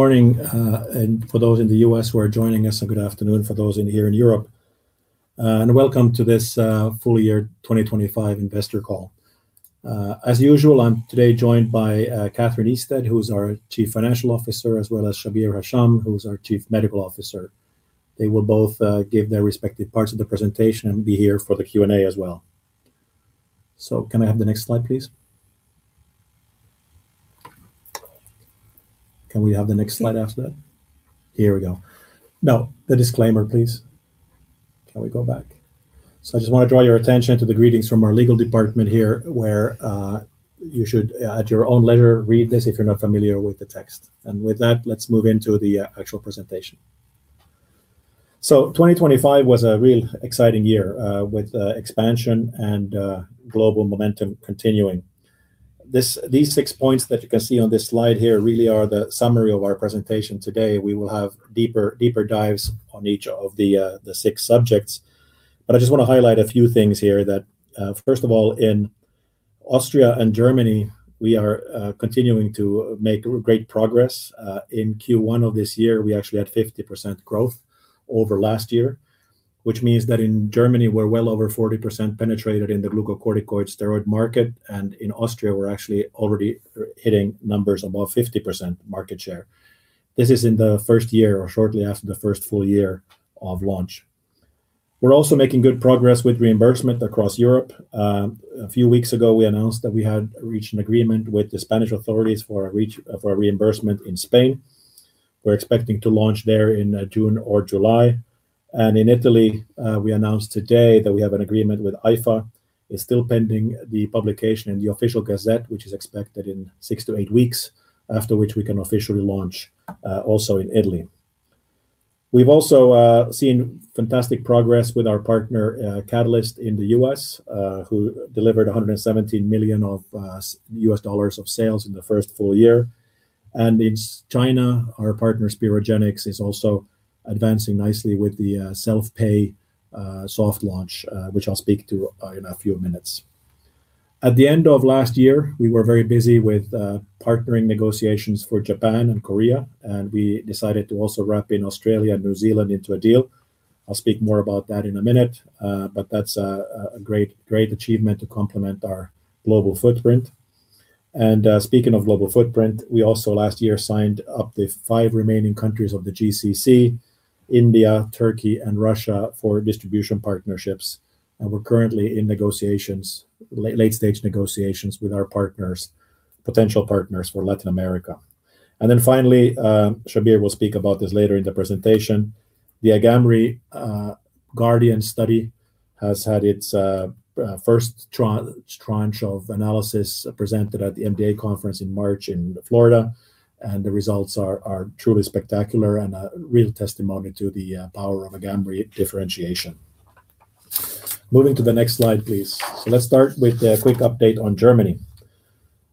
Morning, for those in the US who are joining us, a good afternoon for those in here in Europe. Welcome to this full year 2025 investor call. As usual, I'm today joined by Catherine Isted, who is our Chief Financial Officer, as well as Shabir Hasham, who is our Chief Medical Officer. They will both give their respective parts of the presentation and be here for the Q&A as well. Can I have the next slide, please? Can we have the next slide after that? Here we go. No, the disclaimer, please. Can we go back? I just wanna draw your attention to the greetings from our legal department here, where you should, at your own leisure, read this if you're not familiar with the text. With that, let's move into the actual presentation. 2025 was a real exciting year, with expansion and global momentum continuing. These 6 points that you can see on this slide here really are the summary of our presentation today. We will have deeper dives on each of the 6 subjects. I just wanna highlight a few things here that, first of all, in Austria and Germany, we are continuing to make great progress. In Q1 of this year, we actually had 50% growth over last year, which means that in Germany, we're well over 40% penetrated in the glucocorticoid steroid market, and in Austria, we're actually already hitting numbers above 50% market share. This is in the first year or shortly after the first full year of launch. We're also making good progress with reimbursement across Europe. A few weeks ago, we announced that we had reached an agreement with the Spanish authorities for a reimbursement in Spain. We're expecting to launch there in June or July. In Italy, we announced today that we have an agreement with AIFA. It's still pending the publication in the Gazzetta Ufficiale, which is expected in 6 to 8 weeks, after which we can officially launch also in Italy. We've also seen fantastic progress with our partner, Catalyst in the US, who delivered $117 million of US dollars of sales in the first full year. In China, our partner, Sperogenix, is also advancing nicely with the self-pay soft launch, which I'll speak to in a few minutes. At the end of last year, we were very busy with partnering negotiations for Japan and Korea. We decided to also wrap in Australia and New Zealand into a deal. I'll speak more about that in a minute. That's a great achievement to complement our global footprint. Speaking of global footprint, we also last year signed up the five remaining countries of the GCC, India, Turkey, and Russia for distribution partnerships. We're currently in negotiations, late stage negotiations with our partners, potential partners for Latin America. Finally, Shabir will speak about this later in the presentation. The AGAMREE GUARDIAN study has had its first tranche of analysis presented at the MDA conference in March in Florida. The results are truly spectacular and a real testimony to the power of AGAMREE differentiation. Moving to the next slide, please. Let's start with a quick update on Germany.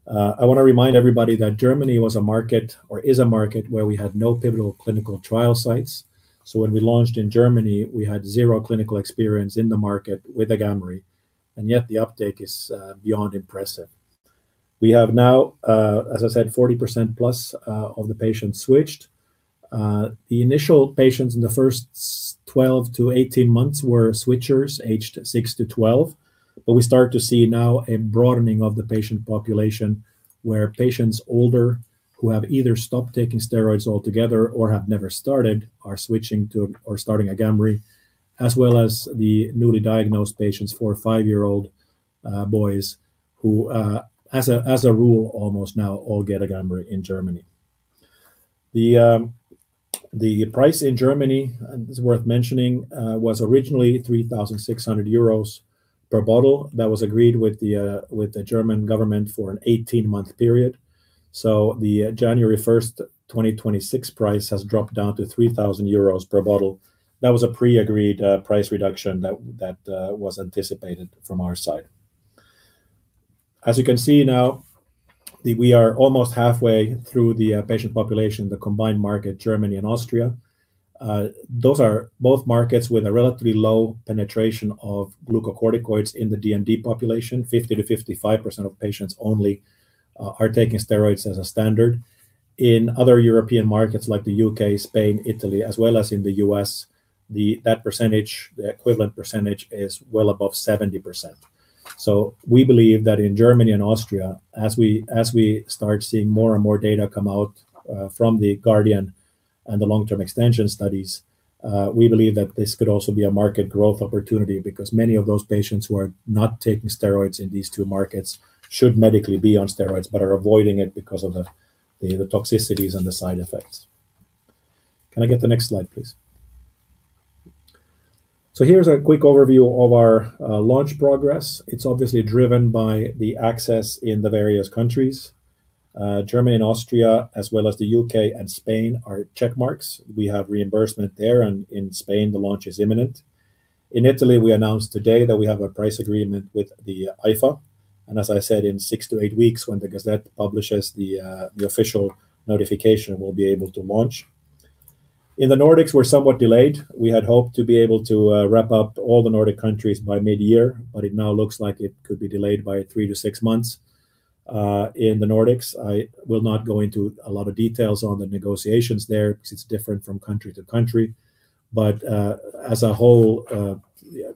I want to remind everybody that Germany was a market or is a market where we had no pivotal clinical trial sites. When we launched in Germany, we had zero clinical experience in the market with AGAMREE, and yet the uptake is beyond impressive. We have now, as I said, 40% plus of the patients switched. The initial patients in the first 12 to 18 months were switchers aged 6 to 12. We start to see now a broadening of the patient population, where patients older who have either stopped taking steroids altogether or have never started are switching to or starting AGAMREE, as well as the newly diagnosed patients, four or five-year-old boys who, as a rule, almost now all get AGAMREE in Germany. The price in Germany, and it is worth mentioning, was originally 3,600 euros per bottle. That was agreed with the German government for an 18-month period. The January 1st, 2026 price has dropped down to 3,000 euros per bottle. That was a pre-agreed price reduction that was anticipated from our side. As you can see now, we are almost halfway through the patient population, the combined market, Germany and Austria. Those are both markets with a relatively low penetration of glucocorticoids in the DMD population. 50%-55% of patients only are taking steroids as a standard. In other European markets like the UK, Spain, Italy, as well as in the US, that percentage, the equivalent percentage is well above 70%. We believe that in Germany and Austria, as we start seeing more and more data come out from the GUARDIAN and the long-term extension studies, we believe that this could also be a market growth opportunity because many of those patients who are not taking steroids in these two markets should medically be on steroids but are avoiding it because of the toxicities and the side effects. Can I get the next slide, please? Here's a quick overview of our launch progress. It's obviously driven by the access in the various countries. Germany and Austria, as well as the UK and Spain, are check marks. We have reimbursement there. In Spain, the launch is imminent. In Italy, we announced today that we have a price agreement with the AIFA. As I said, in 6 to 8 weeks, when the Gazette publishes the official notification, we'll be able to launch. In the Nordics, we're somewhat delayed. We had hoped to be able to wrap up all the Nordic countries by mid-year, but it now looks like it could be delayed by 3 to 6 months in the Nordics. I will not go into a lot of details on the negotiations there because it's different from country to country. As a whole,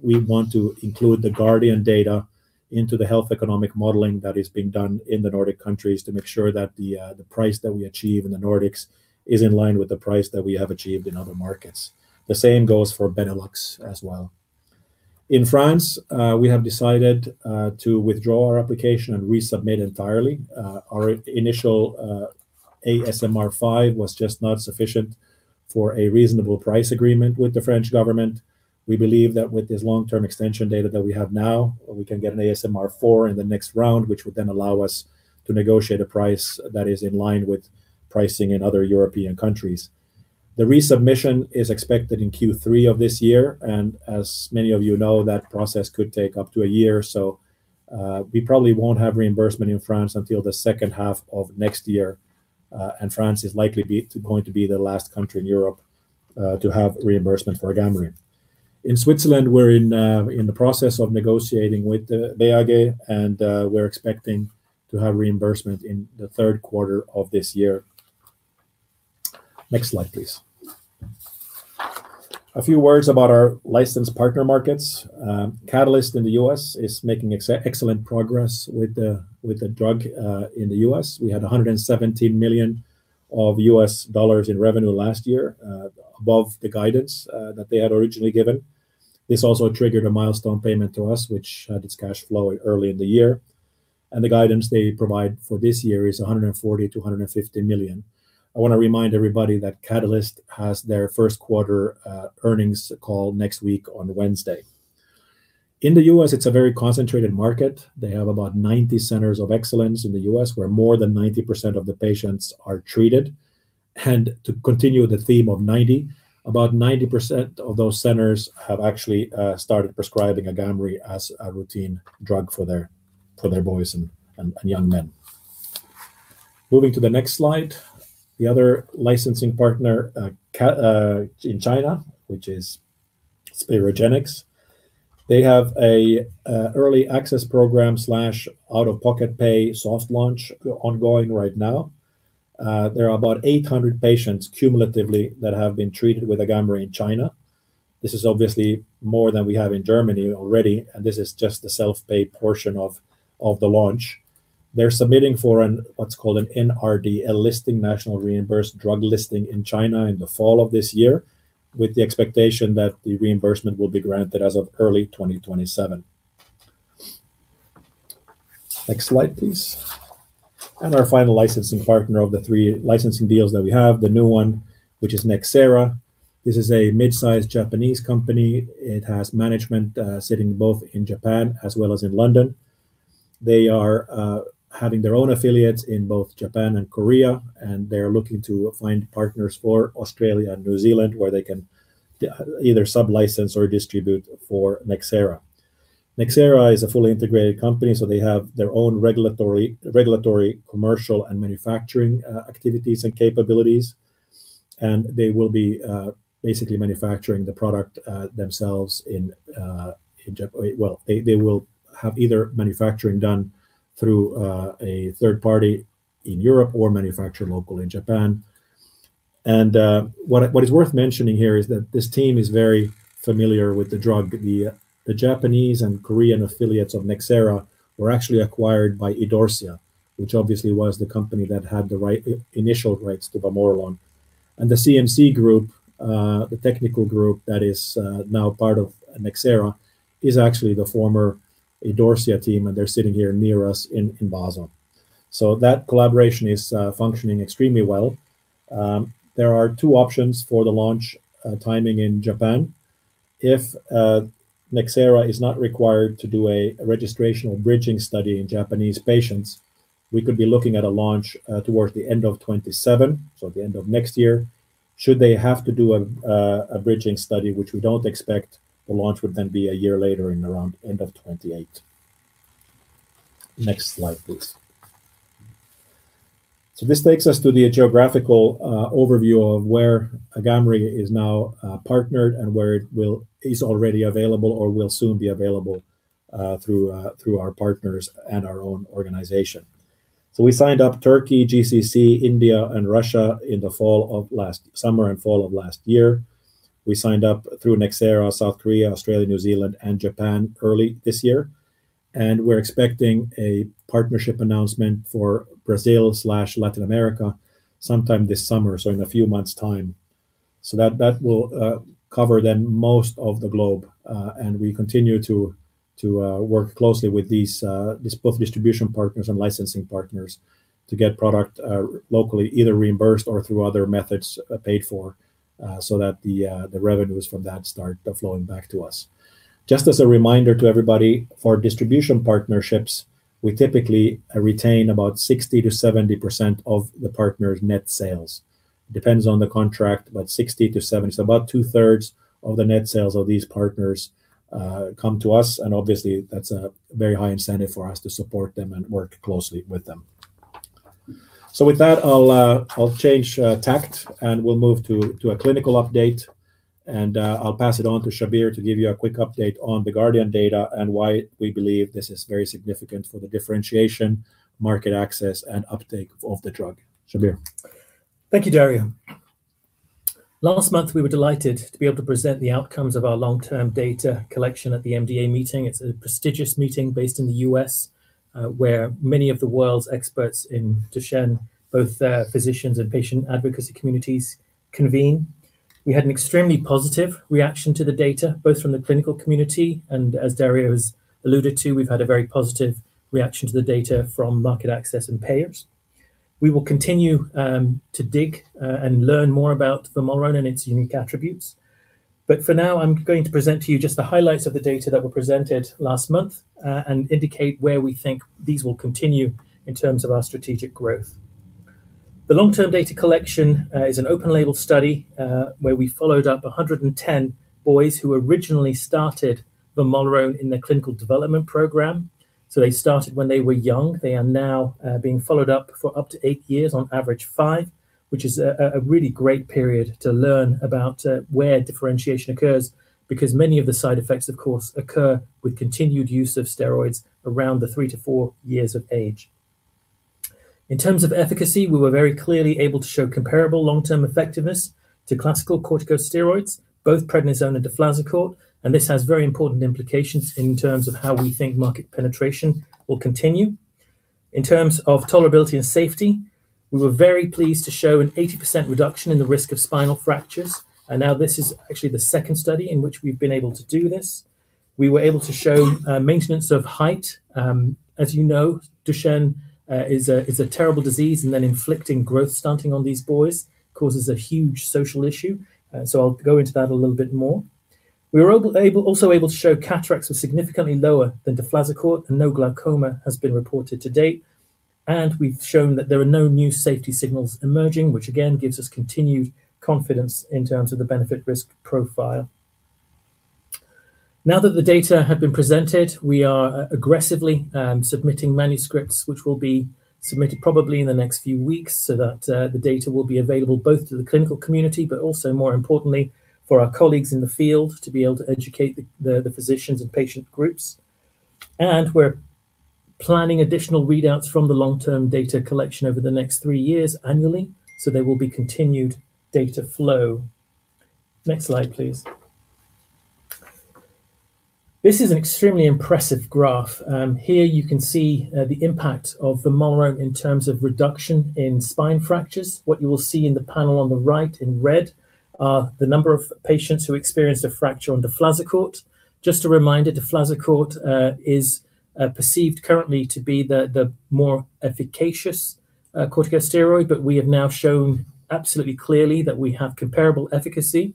we want to include the GUARDIAN data into the health economic modeling that is being done in the Nordic countries to make sure that the price that we achieve in the Nordics is in line with the price that we have achieved in other markets. The same goes for Benelux as well. In France, we have decided to withdraw our application and resubmit entirely. Our initial ASMR5 was just not sufficient for a reasonable price agreement with the French government. We believe that with this long-term extension data that we have now, we can get an ASMR4 in the next round, which would then allow us to negotiate a price that is in line with pricing in other European countries. The resubmission is expected in Q3 of this year. As many of you know, that process could take up to a year. We probably won't have reimbursement in France until the second half of next year. France is likely going to be the last country in Europe to have reimbursement for AGAMREE. In Switzerland, we're in the process of negotiating with BAG, and we're expecting to have reimbursement in the third quarter of this year. Next slide, please. A few words about our licensed partner markets. Catalyst in the US is making excellent progress with the drug in the US We had $117 million in revenue last year above the guidance that they had originally given. This also triggered a milestone payment to us, which had its cash flow early in the year. The guidance they provide for this year is $140 million-$150 million. I want to remind everybody that Catalyst has their first quarter earnings call next week on Wednesday. In the US, it's a very concentrated market. They have about 90 centers of excellence in the US where more than 90% of the patients are treated. To continue the theme of 90, about 90% of those centers have actually started prescribing AGAMREE as a routine drug for their boys and young men. Moving to the next slide, the other licensing partner in China, which is Sperogenix. They have a early access program slash out-of-pocket pay soft launch ongoing right now. There are about 800 patients cumulatively that have been treated with AGAMREE in China. This is obviously more than we have in Germany already. And this is just the self-pay portion of the launch. They're submitting for what's called an NRDL, a listing national reimbursed drug listing in China in the fall of this year with the expectation that the reimbursement will be granted as of early 2027. Next slide, please. Our final licensing partner of the three licensing deals that we have, the new one, which is Nxera Pharma. This is a mid-sized Japanese company. It has management sitting both in Japan as well as in London. They are having their own affiliates in both Japan and Korea. They're looking to find partners for Australia and New Zealand where they can either sub-license or distribute for Nxera Pharma. Nxera Pharma is a fully integrated company. They have their own regulatory, commercial and manufacturing activities and capabilities. They will be basically manufacturing the product themselves in Japan. Well, they will have either manufacturing done through a third party in Europe or manufacture local in Japan. What is worth mentioning here is that this team is very familiar with the drug. The Japanese and Korean affiliates of Nxera Pharma were actually acquired by Idorsia, which obviously was the company that had the initial rights to vamorolone. The CMC group, the technical group that is now part of Nxera Pharma, is actually the former Idorsia team. They're sitting here near us in Basel. That collaboration is functioning extremely well. There are two options for the launch timing in Japan. If Nxera Pharma is not required to do a registrational bridging study in Japanese patients, we could be looking at a launch towards the end of 2027. At the end of next year, should they have to do a bridging study, which we don't expect, the launch would then be a year later in around end of 2028. Next slide, please. This takes us to the geographical overview of where AGAMREE is now partnered and where it is already available or will soon be available through our partners and our own organization. We signed up Turkey, GCC, India and Russia in the fall of last summer and fall of last year. We signed up through Nxera, South Korea, Australia, New Zealand and Japan early this year. We're expecting a partnership announcement for Brazil slash Latin America sometime this summer. In a few months time. That will cover then most of the globe. We continue to work closely with these both distribution partners and licensing partners to get product locally either reimbursed or through other methods paid for so that the revenues from that start flowing back to us. Just as a reminder to everybody, for distribution partnerships, we typically retain about 60%-70% of the partner's net sales. Depends on the contract, but 60%-70%. About two thirds of the net sales of these partners come to us. Obviously that's a very high incentive for us to support them and work closely with them. With that, I'll change tact, and we'll move to a clinical update. I'll pass it on to Shabir to give you a quick update on the GUARDIAN data and why we believe this is very significant for the differentiation, market access, and uptake of the drug. Shabir. Thank you, Dario. Last month, we were delighted to be able to present the outcomes of our long-term data collection at the MDA meeting. It's a prestigious meeting based in the US, where many of the world's experts in Duchenne, both their physicians and patient advocacy communities convene. We had an extremely positive reaction to the data, both from the clinical community, and as Dario has alluded to, we've had a very positive reaction to the data from market access and payers. We will continue to dig and learn more about vamorolone and its unique attributes. For now, I'm going to present to you just the highlights of the data that were presented last month, and indicate where we think these will continue in terms of our strategic growth. The long-term data collection is an open label study where we followed up 110 boys who originally started vamorolone in their clinical development program. They started when they were young. They are now being followed up for up to 8 years, on average 5, which is a really great period to learn about where differentiation occurs because many of the side effects, of course, occur with continued use of steroids around the 3-4 years of age. In terms of efficacy, we were very clearly able to show comparable long-term effectiveness to classical corticosteroids, both prednisone and deflazacort, and this has very important implications in terms of how we think market penetration will continue. In terms of tolerability and safety, we were very pleased to show an 80% reduction in the risk of spinal fractures. Now this is actually the second study in which we've been able to do this. We were able to show maintenance of height. As you know, Duchenne is a terrible disease, inflicting growth stunting on these boys causes a huge social issue. I'll go into that a little bit more. We were also able to show cataracts were significantly lower than deflazacort, no glaucoma has been reported to date. We've shown that there are no new safety signals emerging, which again, gives us continued confidence in terms of the benefit risk profile. Now that the data have been presented, we are aggressively submitting manuscripts, which will be submitted probably in the next few weeks so that the data will be available both to the clinical community, but also more importantly for our colleagues in the field to be able to educate the physicians and patient groups. We're planning additional readouts from the long-term data collection over the next three years annually, so there will be continued data flow. Next slide, please. This is an extremely impressive graph. Here you can see the impact of vamorolone in terms of reduction in spine fractures. What you will see in the panel on the right in red are the number of patients who experienced a fracture on deflazacort. Just a reminder, deflazacort is perceived currently to be the more efficacious corticosteroid, but we have now shown absolutely clearly that we have comparable efficacy.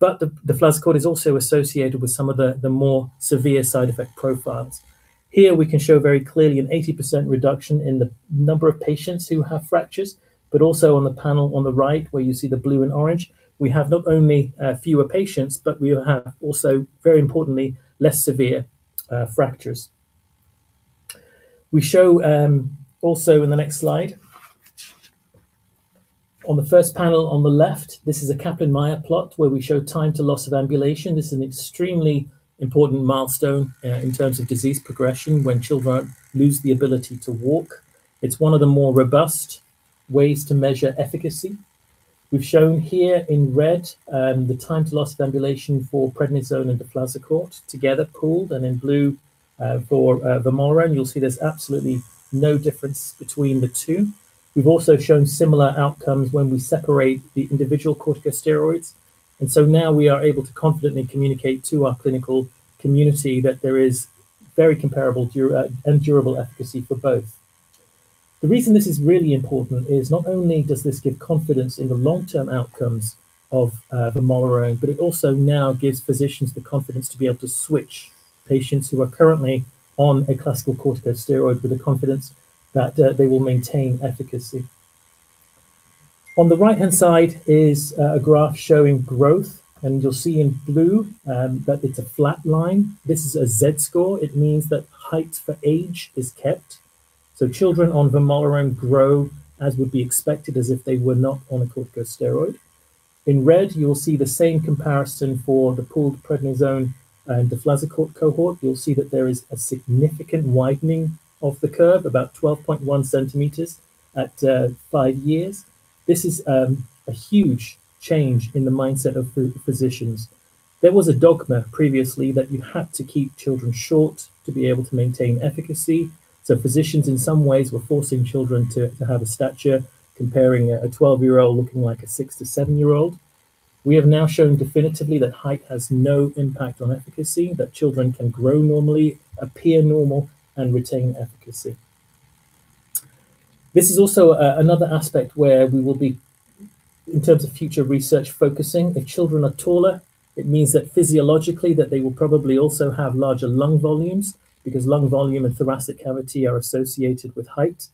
Deflazacort is also associated with some of the more severe side effect profiles. Here we can show very clearly an 80% reduction in the number of patients who have fractures, but also on the panel on the right where you see the blue and orange, we have not only fewer patients, but we have also, very importantly, less severe fractures. We show also in the next slide. On the first panel on the left, this is a Kaplan-Meier plot where we show time to loss of ambulation. This is an extremely important milestone in terms of disease progression when children lose the ability to walk. It's one of the more robust ways to measure efficacy. We've shown here in red, the time to loss of ambulation for prednisone and deflazacort together pooled, and in blue, for vamorolone. You'll see there's absolutely no difference between the two. We've also shown similar outcomes when we separate the individual corticosteroids. Now we are able to confidently communicate to our clinical community that there is very comparable and durable efficacy for both. The reason this is really important is not only does this give confidence in the long-term outcomes of vamorolone, but it also now gives physicians the confidence to be able to switch patients who are currently on a classical corticosteroid with the confidence that they will maintain efficacy. On the right-hand side is a graph showing growth, you'll see in blue that it's a flat line. This is a Z-score. It means that height for age is kept. Children on vamorolone grow as would be expected as if they were not on a corticosteroid. In red, you'll see the same comparison for the pooled prednisone and deflazacort cohort. You'll see that there is a significant widening of the curve, about 12.1 cm at five years. This is a huge change in the mindset of the physicians. There was a dogma previously that you had to keep children short to be able to maintain efficacy. Physicians in some ways were forcing children to have a stature comparing a 12-year-old looking like a six to seven-year-old. We have now shown definitively that height has no impact on efficacy, that children can grow normally, appear normal, and retain efficacy. This is also another aspect where we will be in terms of future research focusing. If children are taller, it means that physiologically that they will probably also have larger lung volumes because lung volume and thoracic cavity are associated with height.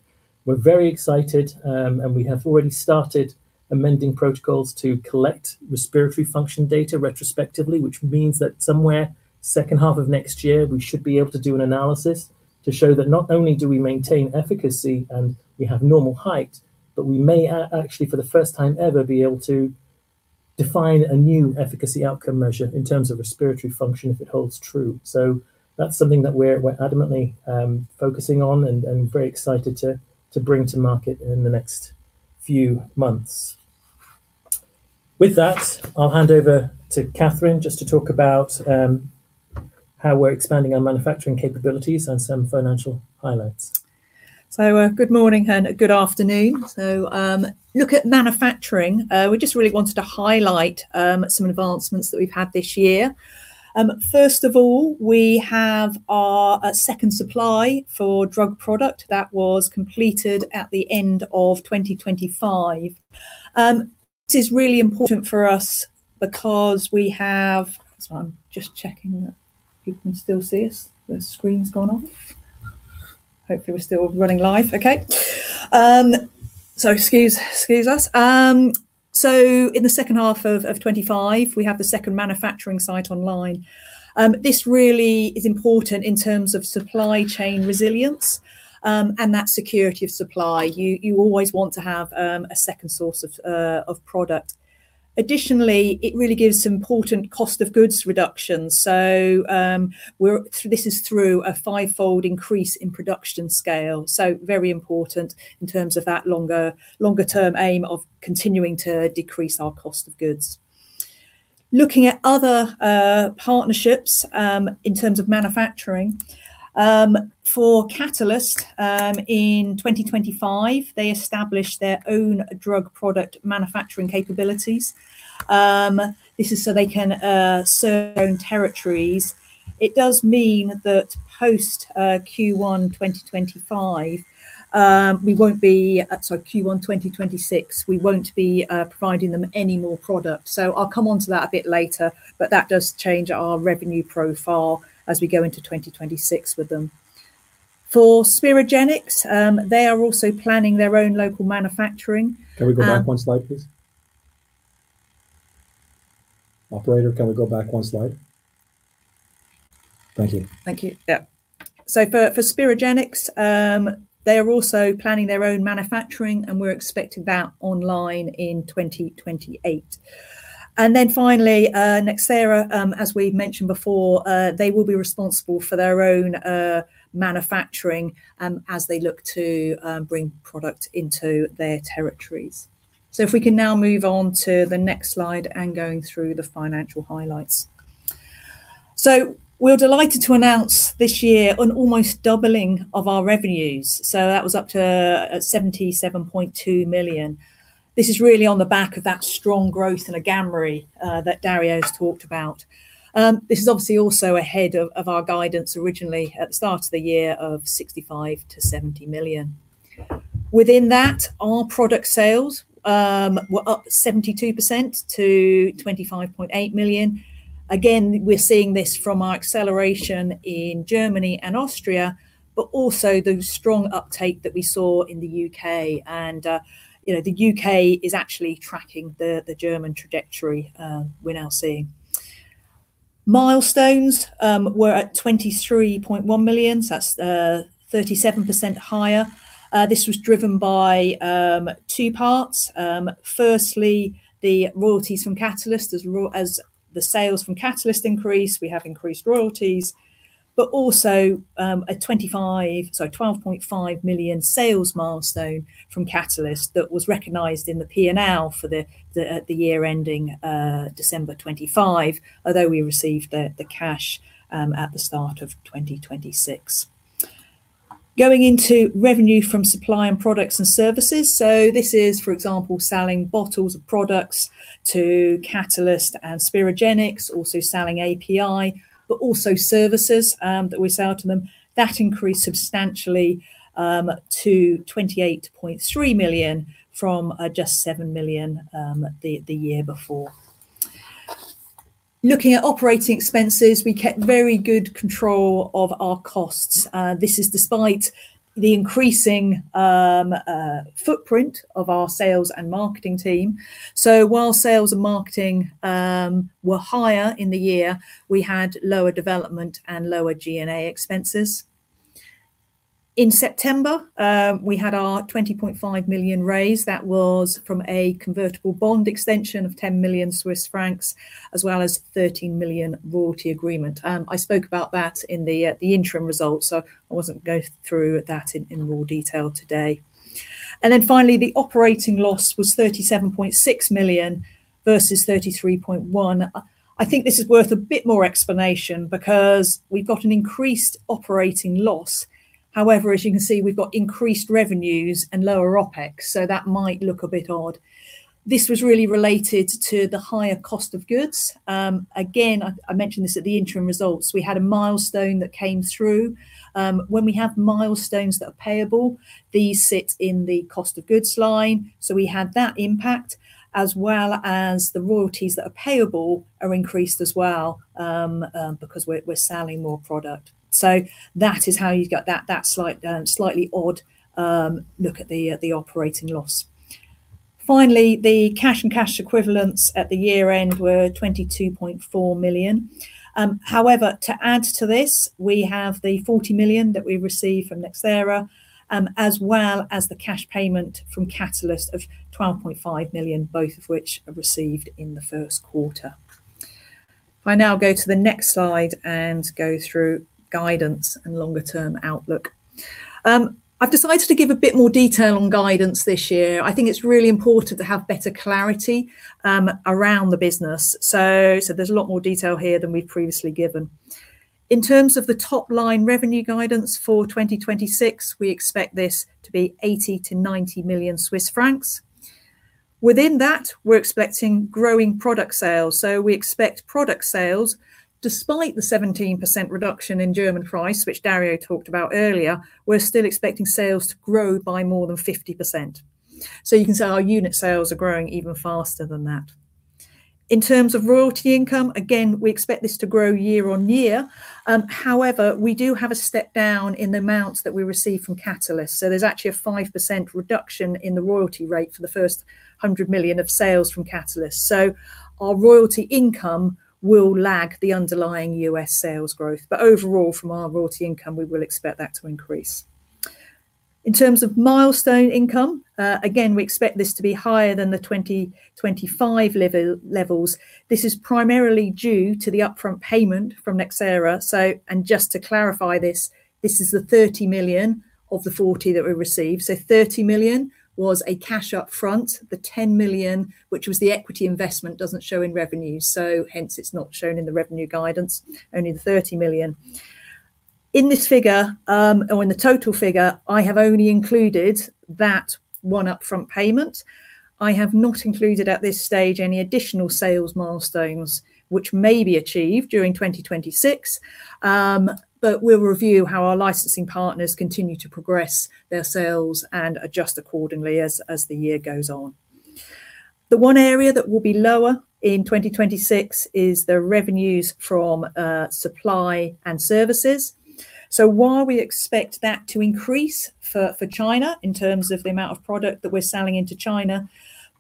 We're very excited, and we have already started amending protocols to collect respiratory function data retrospectively, which means that somewhere second half of next year, we should be able to do an analysis to show that not only do we maintain efficacy and we have normal height, but we may actually for the first time ever be able to define a new efficacy outcome measure in terms of respiratory function if it holds true. That's something that we're adamantly focusing on and very excited to bring to market in the next few months. With that, I'll hand over to Catherine just to talk about how we're expanding our manufacturing capabilities and some financial highlights. Good morning and good afternoon. Look at manufacturing. We just really wanted to highlight some advancements that we've had this year. First of all, we have our second supply for drug product that was completed at the end of 2025. This is really important for us because we have. Sorry, I'm just checking that you can still see us. The screen's gone off. Hopefully, we're still running live. Okay. Excuse us. In the second half of 2025, we have the second manufacturing site online. This really is important in terms of supply chain resilience and that security of supply. You always want to have a second source of product. Additionally, it really gives important cost of goods reduction. This is through a fivefold increase in production scale, very important in terms of that longer term aim of continuing to decrease our cost of goods. Looking at other partnerships in terms of manufacturing for Catalyst in 2025, they established their own drug product manufacturing capabilities. This is so they can serve own territories. It does mean that post Q1 2025, we won't be. Sorry, Q1 2026, we won't be providing them any more product. I'll come onto that a bit later, but that does change our revenue profile as we go into 2026 with them. For Sperogenix, they are also planning their own local manufacturing. Can we go back one slide, please? Operator, can we go back one slide? Thank you. Thank you. Yeah. For Sperogenix, they are also planning their own manufacturing, and we're expecting that online in 2028. Finally, Nxera Pharma, as we mentioned before, they will be responsible for their own manufacturing, as they look to bring product into their territories. If we can now move on to the next slide and going through the financial highlights. We're delighted to announce this year an almost doubling of our revenues. That was up to 77.2 million. This is really on the back of that strong growth in AGAMREE, that Dario's talked about. This is obviously also ahead of our guidance originally at the start of the year of 65 million-70 million. Within that, our product sales were up 72% to 25.8 million. We're seeing this from our acceleration in Germany and Austria, but also the strong uptake that we saw in the UK You know, the UK is actually tracking the German trajectory we're now seeing. Milestones were at 23.1 million CHF. That's 37% higher. This was driven by two parts. Firstly, the royalties from Catalyst. As the sales from Catalyst increase, we have increased royalties. Also, a 12.5 million sales milestone from Catalyst that was recognized in the P&L for the year ending December 2025, although we received the cash at the start of 2026. Going into revenue from supply and products and services. This is, for example, selling bottles of products to Catalyst and Sperogenix, also selling API, but also services that we sell to them. That increased substantially to 28.3 million from just 7 million the year before. Looking at operating expenses, we kept very good control of our costs. This is despite the increasing footprint of our sales and marketing team. While sales and marketing were higher in the year, we had lower development and lower G&A expenses. In September, we had our 20.5 million raise. That was from a convertible bond extension of 10 million Swiss francs as well as 13 million royalty agreement. I spoke about that in the interim results, I wasn't go through that in more detail today. Finally, the operating loss was 37.6 million versus 33.1 million. I think this is worth a bit more explanation because we've got an increased operating loss. However, as you can see, we've got increased revenues and lower OpEx, that might look a bit odd. This was really related to the higher cost of goods. Again, I mentioned this at the interim results. We had a milestone that came through. When we have milestones that are payable, these sit in the cost of goods line. We had that impact, as well as the royalties that are payable are increased as well, because we're selling more product. That is how you got that slight, slightly odd look at the operating loss. The cash and cash equivalents at the year-end were 22.4 million. However, to add to this, we have the 40 million that we received from Nxera Pharma, as well as the cash payment from Catalyst of 12.5 million, both of which are received in the first quarter. I now go to the next slide and go through guidance and longer term outlook. I've decided to give a bit more detail on guidance this year. I think it's really important to have better clarity around the business. There's a lot more detail here than we've previously given. In terms of the top line revenue guidance for 2026, we expect this to be 80 million-90 million Swiss francs. Within that, we're expecting growing product sales. We expect product sales, despite the 17% reduction in German price, which Dario talked about earlier, we're still expecting sales to grow by more than 50%. You can see our unit sales are growing even faster than that. In terms of royalty income, again, we expect this to grow year on year. However, we do have a step down in the amounts that we receive from Catalyst Pharmaceuticals. There's actually a 5% reduction in the royalty rate for the first $100 million of sales from Catalyst Pharmaceuticals. Our royalty income will lag the underlying US sales growth. Overall, from our royalty income, we will expect that to increase. In terms of milestone income, again, we expect this to be higher than the 2025 levels. This is primarily due to the upfront payment from Nxera Pharma. And just to clarify this is the 30 million of the 40 million that we received. 30 million was a cash upfront. The 10 million, which was the equity investment, doesn't show in revenue. Hence it's not shown in the revenue guidance, only the 30 million. In this figure, or in the total figure, I have only included that one upfront payment. I have not included at this stage any additional sales milestones which may be achieved during 2026. But we'll review how our licensing partners continue to progress their sales and adjust accordingly as the year goes on. The one area that will be lower in 2026 is the revenues from supply and services. While we expect that to increase for China in terms of the amount of product that we're selling into China,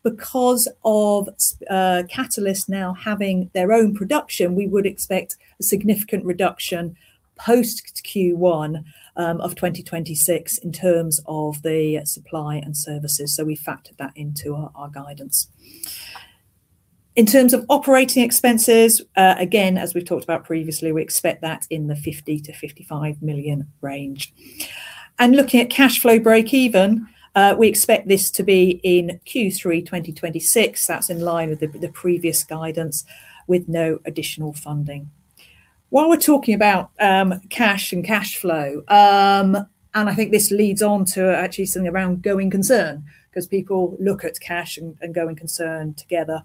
because of Catalyst now having their own production, we would expect a significant reduction post Q1 2026 in terms of the supply and services. We factored that into our guidance. In terms of operating expenses, again, as we've talked about previously, we expect that in the 50 million-55 million range. Looking at cash flow breakeven, we expect this to be in Q3 2026. That's in line with the previous guidance with no additional funding. While we're talking about cash and cash flow, and I think this leads on to actually something around going concern, 'cause people look at cash and going concern together.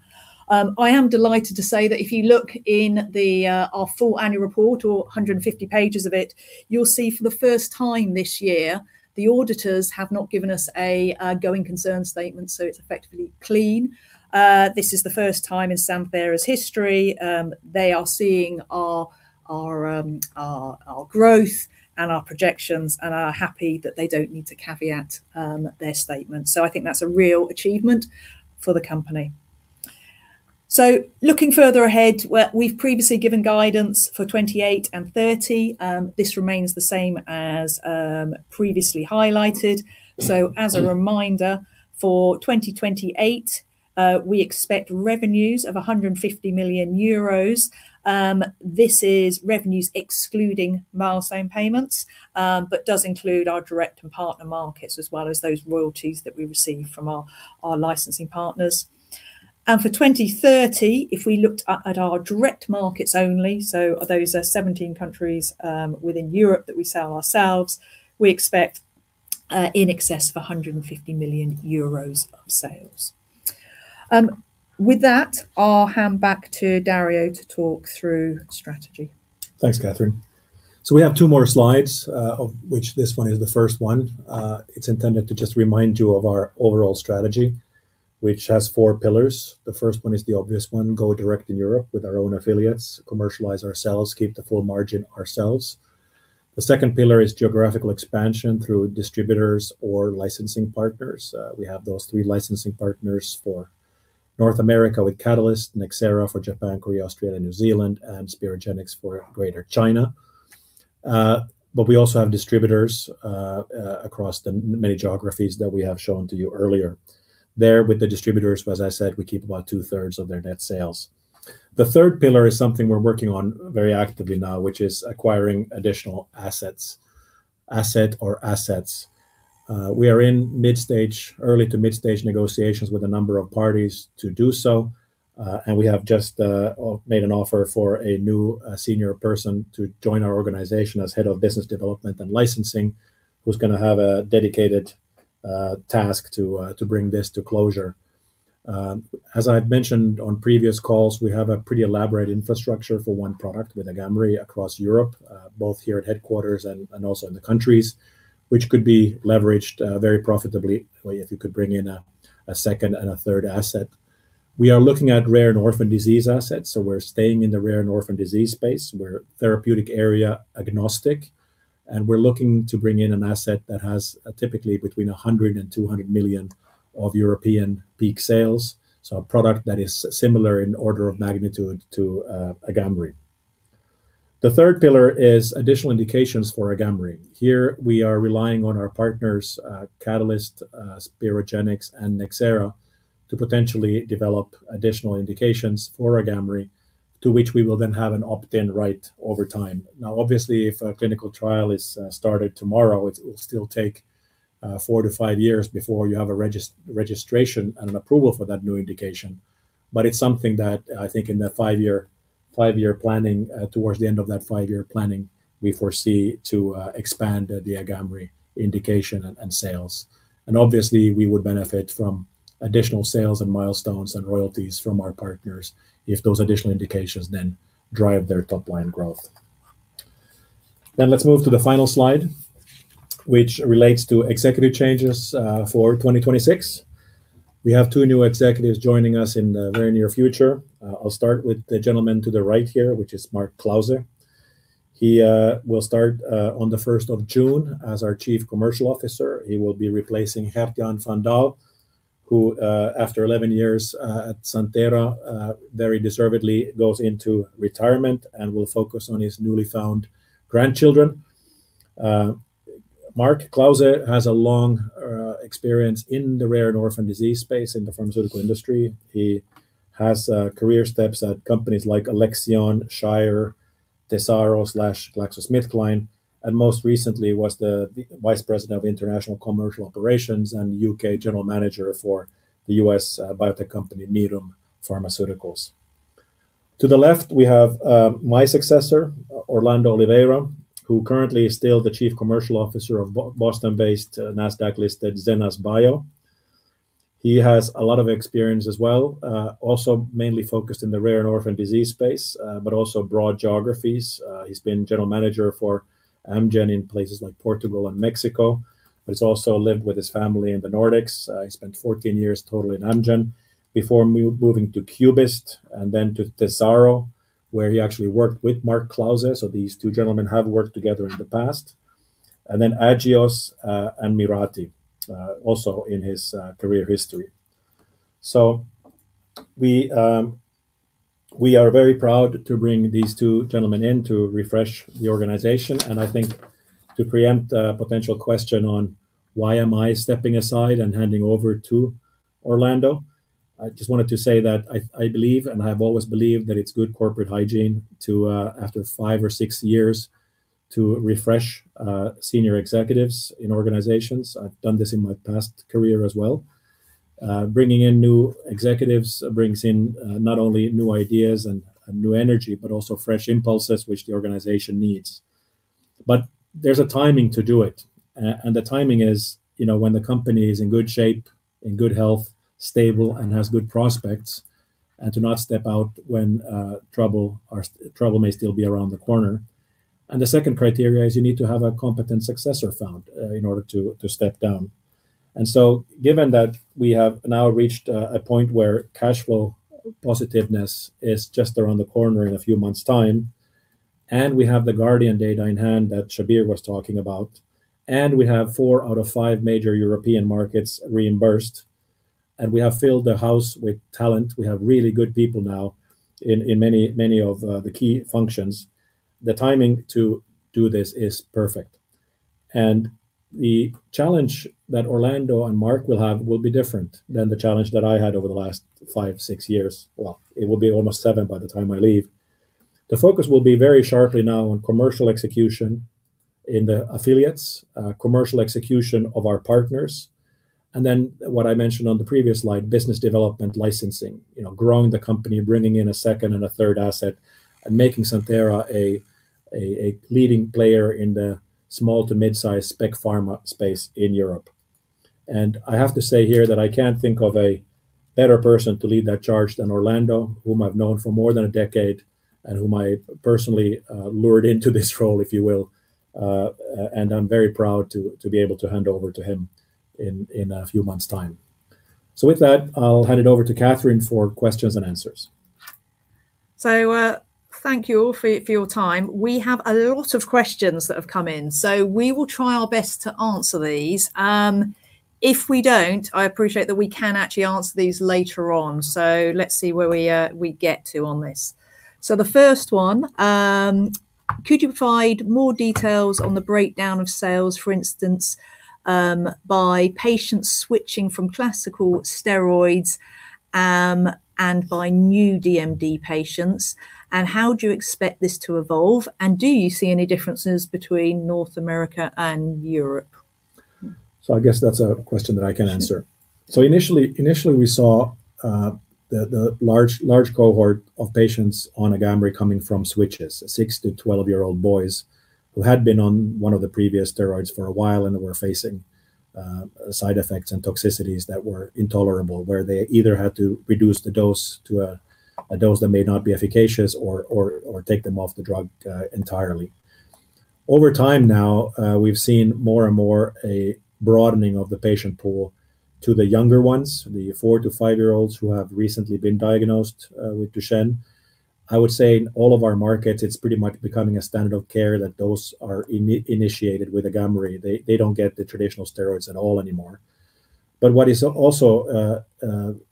I am delighted to say that if you look in the our full annual report, all 150 pages of it, you'll see for the first time this year, the auditors have not given us a going concern statement, so it's effectively clean. This is the first time in Santhera's history. They are seeing our growth and our projections and are happy that they don't need to caveat their statement. I think that's a real achievement for the company. Looking further ahead, we've previously given guidance for 2028 and 2030. This remains the same as previously highlighted. As a reminder, for 2028, we expect revenues of 150 million euros. This is revenues excluding milestone payments, but does include our direct and partner markets as well as those royalties that we receive from our licensing partners. For 2030, if we looked at our direct markets only, so those are 17 countries, within Europe that we sell ourselves, we expect in excess of 150 million euros of sales. With that, I'll hand back to Dario to talk through strategy. Thanks, Catherine. We have two more slides, of which this one is the first one. It's intended to just remind you of our overall strategy, which has four pillars. The first one is the obvious one, go direct in Europe with our own affiliates, commercialize ourselves, keep the full margin ourselves. The second pillar is geographical expansion through distributors or licensing partners. We have those three licensing partners for North America with Catalyst, Nxera for Japan, Korea, Australia, New Zealand, and Sperogenix for Greater China. We also have distributors across the many geographies that we have shown to you earlier. There with the distributors, as I said, we keep about two-thirds of their net sales. The third pillar is something we're working on very actively now, which is acquiring additional assets, asset or assets. We are in mid-stage, early to mid-stage negotiations with a number of parties to do so, and we have just made an offer for a new senior person to join our organization as head of business development and licensing, who's gonna have a dedicated task to bring this to closure. As I've mentioned on previous calls, we have a pretty elaborate infrastructure for one product with AGAMREE across Europe, both here at headquarters and also in the countries, which could be leveraged very profitably if you could bring in a second and a third asset. We are looking at rare and orphan disease assets, so we're staying in the rare and orphan disease space. We're therapeutic area agnostic, and we're looking to bring in an asset that has typically between 100 million and 200 million of European peak sales. A product that is similar in order of magnitude to AGAMREE. The third pillar is additional indications for AGAMREE. Here we are relying on our partners, Catalyst, Sperogenix, and Nxera to potentially develop additional indications for AGAMREE to which we will then have an opt-in right over time. Obviously, if a clinical trial is started tomorrow, it will still take 4-5 years before you have a registration and an approval for that new indication. It's something that I think in the 5-year planning, towards the end of that 5-year planning, we foresee to expand the AGAMREE indication and sales. Obviously we would benefit from additional sales and milestones and royalties from our partners if those additional indications then drive their top line growth. Let's move to the final slide, which relates to executive changes for 2026. We have two new executives joining us in the very near future. I'll start with the gentleman to the right here, which is Mark Clauzel. He will start on the 1st of June as our Chief Commercial Officer. He will be replacing Geert Jan van Daal, who after 11 years at Santhera, very deservedly goes into retirement and will focus on his newly found grandchildren. Mark Clauzel has a long experience in the rare and orphan disease space in the pharmaceutical industry. He has career steps at companies like Alexion, Shire, Tesaro/GSK, and most recently was the Vice President of International Commercial Operations and UK General Manager for the US biotech company Needham Pharmaceuticals. To the left, we have my successor, Orlando Oliveira, who currently is still the Chief Commercial Officer of Boston-based, NASDAQ-listed Zenas BioPharma. He has a lot of experience as well, also mainly focused in the rare and orphan disease space, but also broad geographies. He's been General Manager for Amgen in places like Portugal and Mexico, but he's also lived with his family in the Nordics. He spent 14 years total in Amgen before moving to Cubist Pharmaceuticals and then to Tesaro, where he actually worked with Markus Clauzel. These two gentlemen have worked together in the past. Agios Pharmaceuticals and Mirati Therapeutics also in his career history. We are very proud to bring these two gentlemen in to refresh the organization. I think to preempt a potential question on why am I stepping aside and handing over to Orlando, I just wanted to say that I believe and I have always believed that it's good corporate hygiene to, after five or six years, to refresh senior executives in organizations. I've done this in my past career as well. Bringing in new executives brings in, not only new ideas and new energy, but also fresh impulses which the organization needs. There's a timing to do it. The timing is, you know, when the company is in good shape, in good health, stable, and has good prospects, and to not step out when trouble or trouble may still be around the corner. The second criteria is you need to have a competent successor found in order to step down. Given that we have now reached a point where cash flow positiveness is just around the corner in a few months' time, we have the GUARDIAN data in hand that Shabir was talking about, we have four out of five major European markets reimbursed, we have filled the house with talent, we have really good people now in many of the key functions, the timing to do this is perfect. The challenge that Orlando and Mark will have will be different than the challenge that I had over the last five, six years. Well, it will be almost seven by the time I leave. The focus will be very sharply now on commercial execution in the affiliates, commercial execution of our partners, and then what I mentioned on the previous slide, business development licensing. You know, growing the company, bringing in a second and a third asset, and making Santhera a, a leading player in the small to mid-size spec pharma space in Europe. I have to say here that I can't think of a better person to lead that charge than Orlando, whom I've known for more than a decade and whom I personally lured into this role, if you will. And I'm very proud to be able to hand over to him in a few months' time. With that, I'll hand it over to Catherine for questions and answers. Thank you all for your time. We have a lot of questions that have come in. We will try our best to answer these. If we don't, I appreciate that we can actually answer these later on. Let's see where we get to on this. The first one, could you provide more details on the breakdown of sales, for instance, by patients switching from classical steroids, and by new DMD patients? How do you expect this to evolve? Do you see any differences between North America and Europe? I guess that's a question that I can answer. Sure. Initially, we saw the large cohort of patients on AGAMREE coming from switches, 6 to 12-year-old boys who had been on one of the previous steroids for a while and were facing side effects and toxicities that were intolerable, where they either had to reduce the dose to a dose that may not be efficacious or take them off the drug entirely. Over time now, we've seen more and more a broadening of the patient pool to the younger ones, the 4 to 5-year-olds who have recently been diagnosed with Duchenne. I would say in all of our markets, it's pretty much becoming a standard of care that those are initiated with AGAMREE. They don't get the traditional steroids at all anymore. What is also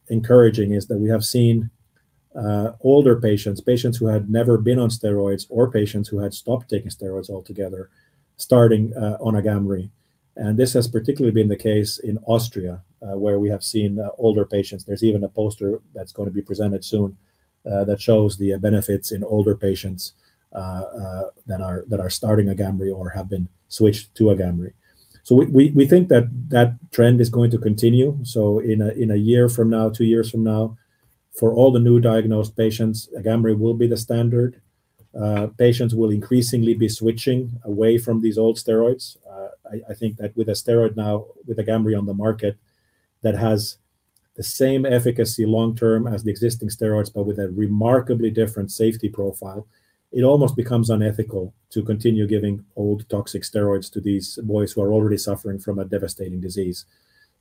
encouraging is that we have seen older patients who had never been on steroids or patients who had stopped taking steroids altogether, starting on AGAMREE. This has particularly been the case in Austria, where we have seen older patients. There's even a poster that's going to be presented soon that shows the benefits in older patients that are starting AGAMREE or have been switched to AGAMREE. We think that that trend is going to continue. In a year from now, two years from now, for all the new diagnosed patients, AGAMREE will be the standard. Patients will increasingly be switching away from these old steroids. I think that with a steroid now, with AGAMREE on the market that has the same efficacy long-term as the existing steroids but with a remarkably different safety profile, it almost becomes unethical to continue giving old toxic steroids to these boys who are already suffering from a devastating disease.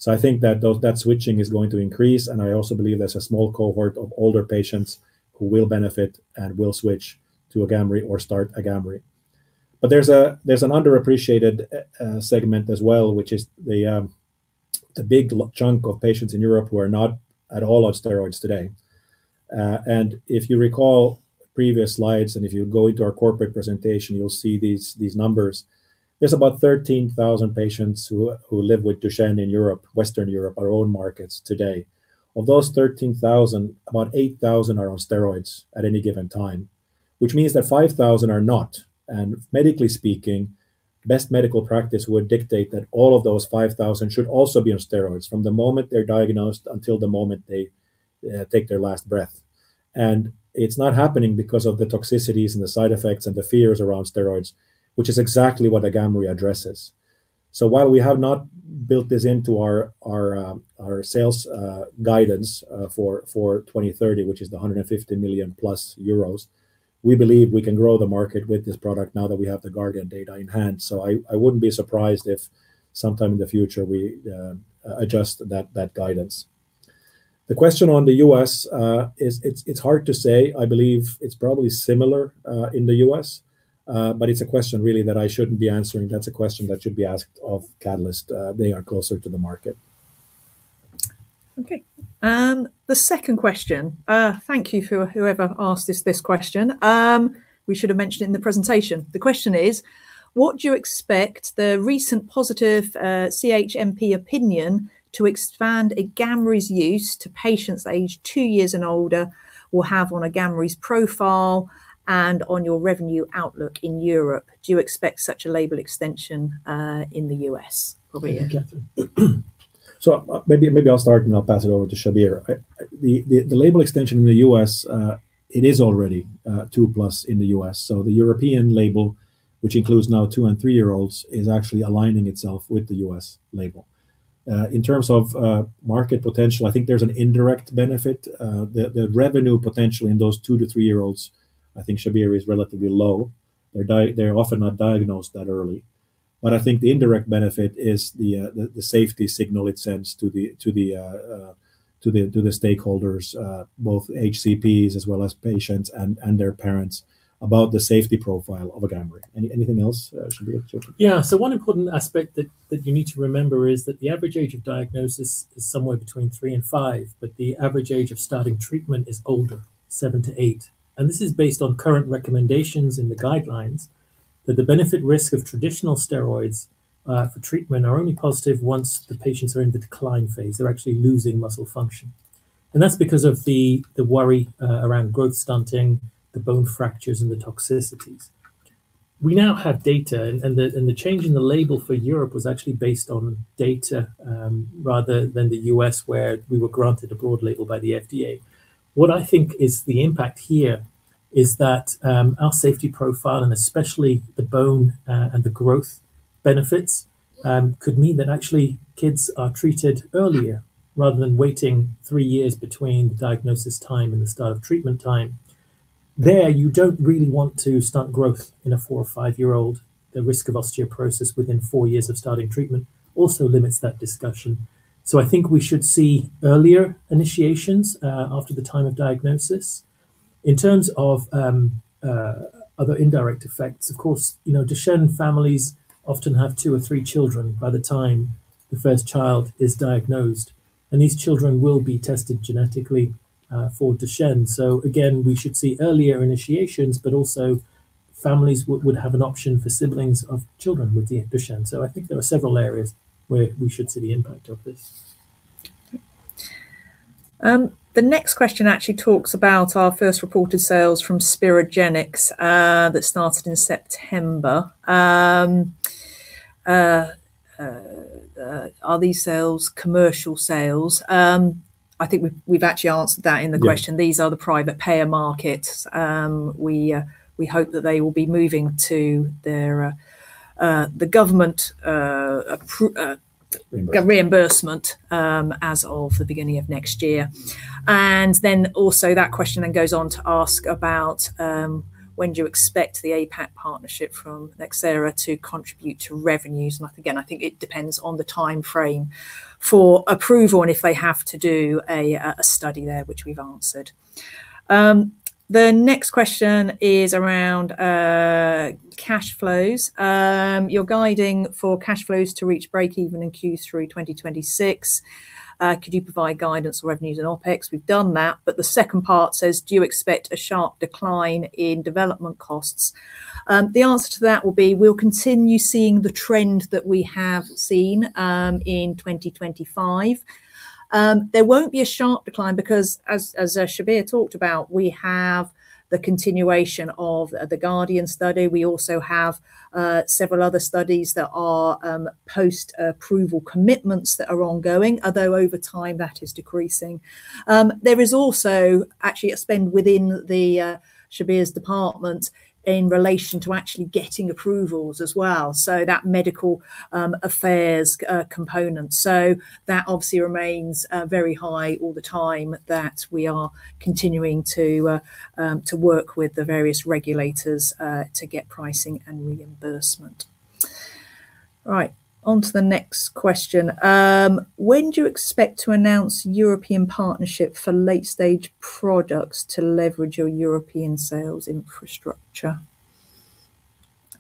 I think that those, that switching is going to increase, and I also believe there's a small cohort of older patients who will benefit and will switch to AGAMREE or start AGAMREE. There's an underappreciated segment as well, which is the big chunk of patients in Europe who are not at all on steroids today. If you recall previous slides, and if you go into our corporate presentation, you'll see these numbers. There's about 13,000 patients who live with Duchenne in Europe, Western Europe, our own markets today. Of those 13,000, about 8,000 are on steroids at any given time, which means that 5,000 are not. Medically speaking, best medical practice would dictate that all of those 5,000 should also be on steroids from the moment they're diagnosed until the moment they take their last breath. It's not happening because of the toxicities and the side effects and the fears around steroids, which is exactly what AGAMREE addresses. While we have not built this into our sales guidance for 2030, which is the 150 million euros-plus, we believe we can grow the market with this product now that we have the GUARDIAN data in hand. I wouldn't be surprised if sometime in the future we adjust that guidance. The question on the US is it's hard to say. I believe it's probably similar in the US, but it's a question really that I shouldn't be answering. That's a question that should be asked of Catalyst. They are closer to the market. Okay. The second question, thank you for whoever asked this question. We should have mentioned it in the presentation. The question is, "What do you expect the recent positive CHMP opinion to expand AGAMREE's use to patients aged 2 years and older will have on AGAMREE's profile and on your revenue outlook in Europe? Do you expect such a label extension in the US?" Over to you. Catherine. Maybe I'll start, and I'll pass it over to Shabir. I, the label extension in the US, it is already 2+ in the US The European label, which includes now 2- and 3-year-olds, is actually aligning itself with the US label. In terms of market potential, I think there's an indirect benefit. The revenue potential in those 2- to 3-year-olds, I think, Shabir, is relatively low. They're often not diagnosed that early. I think the indirect benefit is the safety signal it sends to the stakeholders, both HCPs as well as patients and their parents about the safety profile of AGAMREE. Anything else, Shabir? One important aspect that you need to remember is that the average age of diagnosis is somewhere between 3 and 5, but the average age of starting treatment is older, 7 to 8. This is based on current recommendations in the guidelines that the benefit-risk of traditional steroids for treatment are only positive once the patients are in the decline phase. They're actually losing muscle function, and that's because of the worry around growth stunting, the bone fractures, and the toxicities. We now have data, and the change in the label for Europe was actually based on data rather than the US where we were granted a broad label by the FDA. What I think is the impact here is that our safety profile and especially the bone and the growth benefits could mean that actually kids are treated earlier rather than waiting 3 years between the diagnosis time and the start of treatment time. There, you don't really want to stunt growth in a 4 or 5-year-old. The risk of osteoporosis within 4 years of starting treatment also limits that discussion. I think we should see earlier initiations after the time of diagnosis. In terms of other indirect effects, of course, you know, Duchenne families often have 2 or 3 children by the time the first child is diagnosed, and these children will be tested genetically for Duchenne. Again, we should see earlier initiations, but also families would have an option for siblings of children with the Duchenne. I think there are several areas where we should see the impact of this. Okay. The next question actually talks about our first reported sales from Sperogenix, that started in September. Are these sales commercial sales? I think we've actually answered that in the question. Yeah. These are the private payer markets. We hope that they will be moving to their the government. Reimbursement reimbursement, as of the beginning of next year. Also that question goes on to ask about, when do you expect the APAC partnership from Nxera Pharma to contribute to revenues? Again, I think it depends on the timeframe for approval and if they have to do a study there, which we've answered. The next question is around cash flows. You're guiding for cash flows to reach breakeven in Q3 2026. Could you provide guidance for revenues and OpEx? We've done that. The second part says, "Do you expect a sharp decline in development costs?" The answer to that will be we'll continue seeing the trend that we have seen in 2025. There won't be a sharp decline because as Shabir talked about, we have the continuation of the GUARDIAN study. We also have several other studies that are post-approval commitments that are ongoing. Although over time, that is decreasing. There is also actually a spend within the Shabir's department in relation to actually getting approvals as well, so that medical affairs component. That obviously remains very high all the time that we are continuing to work with the various regulators to get pricing and reimbursement. Right. On to the next question. When do you expect to announce European partnership for late-stage products to leverage your European sales infrastructure?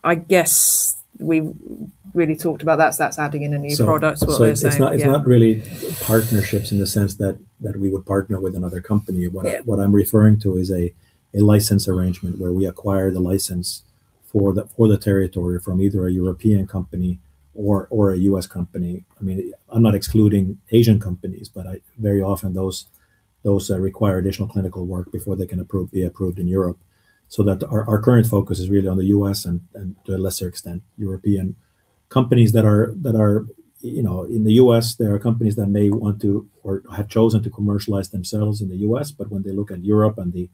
I guess we really talked about that. That's adding in a new product is what they're saying. Yeah. It's not really partnerships in the sense that we would partner with another company. Yeah. What I'm referring to is a license arrangement where we acquire the license for the territory from either a European company or a US company. I mean, I'm not excluding Asian companies, but I very often those require additional clinical work before they can be approved in Europe. That our current focus is really on the US and to a lesser extent, European. Companies that are, you know, in the US, there are companies that may want to or have chosen to commercialize themselves in the US, but when they look at Europe and the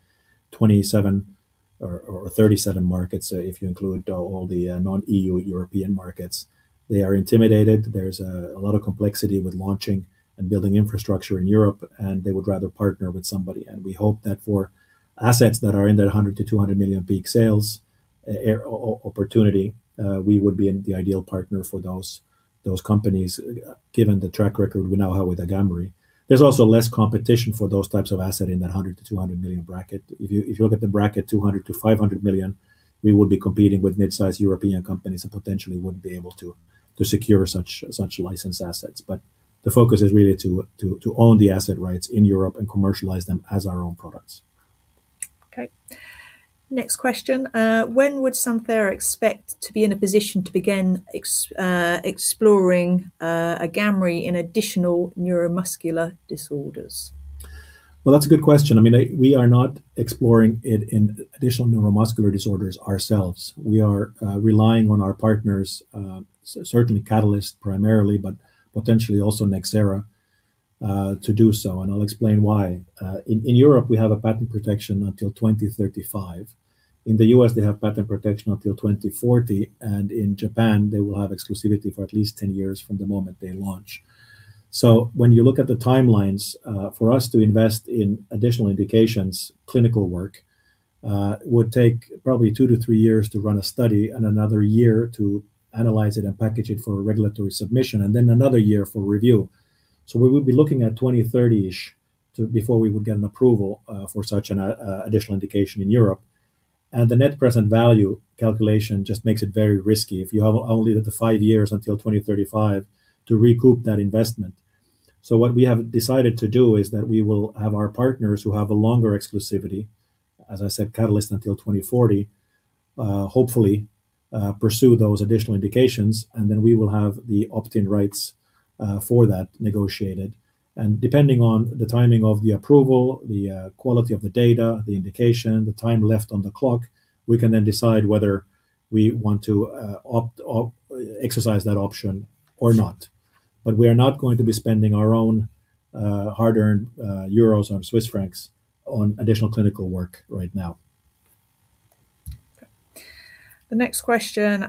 27 or 37 markets, if you include all the non-EU European markets, they are intimidated. There's a lot of complexity with launching and building infrastructure in Europe, and they would rather partner with somebody. We hope that for assets that are in that 100 million-200 million peak sales opportunity, we would be the ideal partner for those companies, given the track record we now have with AGAMREE. There's also less competition for those types of asset in that 100 million-200 million bracket. If you look at the bracket 200 million-500 million, we would be competing with mid-sized European companies and potentially wouldn't be able to secure such licensed assets. The focus is really to own the asset rights in Europe and commercialize them as our own products. Okay. Next question. When would Santhera expect to be in a position to begin exploring AGAMREE in additional neuromuscular disorders? Well, that's a good question. I mean, we are not exploring it in additional neuromuscular disorders ourselves. We are relying on our partners, certainly Catalyst primarily, but potentially also Nxera, to do so, and I'll explain why. In Europe, we have a patent protection until 2035. In the US, they have patent protection until 2040. In Japan, they will have exclusivity for at least 10 years from the moment they launch. When you look at the timelines, for us to invest in additional indications, clinical work, would take probably 2-3 years to run a study and one year to analyze it and package it for regulatory submission, and then one year for review. We would be looking at 2030-ish. before we would get an approval for such an additional indication in Europe. The net present value calculation just makes it very risky if you have only the 5 years until 2035 to recoup that investment. What we have decided to do is that we will have our partners who have a longer exclusivity, as I said, Catalyst until 2040, hopefully, pursue those additional indications, and then we will have the opt-in rights for that negotiated. Depending on the timing of the approval, the quality of the data, the indication, the time left on the clock, we can then decide whether we want to exercise that option or not. We are not going to be spending our own hard-earned euros or Swiss francs on additional clinical work right now. Okay. The next question.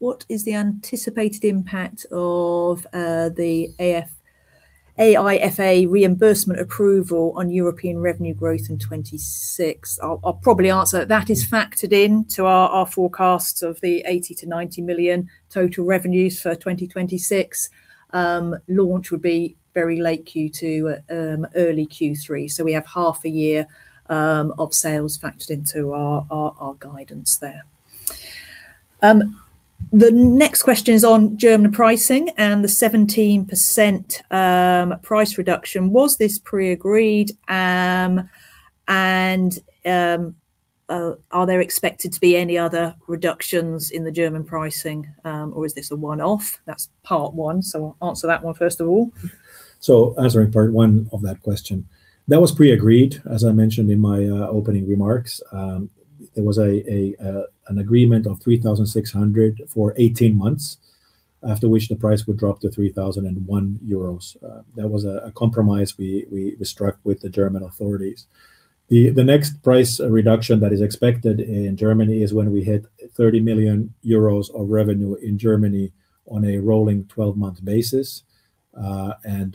What is the anticipated impact of AIFA reimbursement approval on European revenue growth in 2026? I'll probably answer it. That is factored into our forecasts of the 80 million-90 million total revenues for 2026. Launch would be very late Q2, early Q3. We have half a year of sales factored into our guidance there. The next question is on German pricing and the 17% price reduction. Was this pre-agreed? Are there expected to be any other reductions in the German pricing, or is this a one-off? That's part one. I'll answer that one first of all. Answering part one of that question. That was pre-agreed, as I mentioned in my opening remarks. There was an agreement of 3,600 for 18 months, after which the price would drop to 3,001 euros. That was a compromise we struck with the German authorities. The next price reduction that is expected in Germany is when we hit 30 million euros of revenue in Germany on a rolling 12-month basis. I'm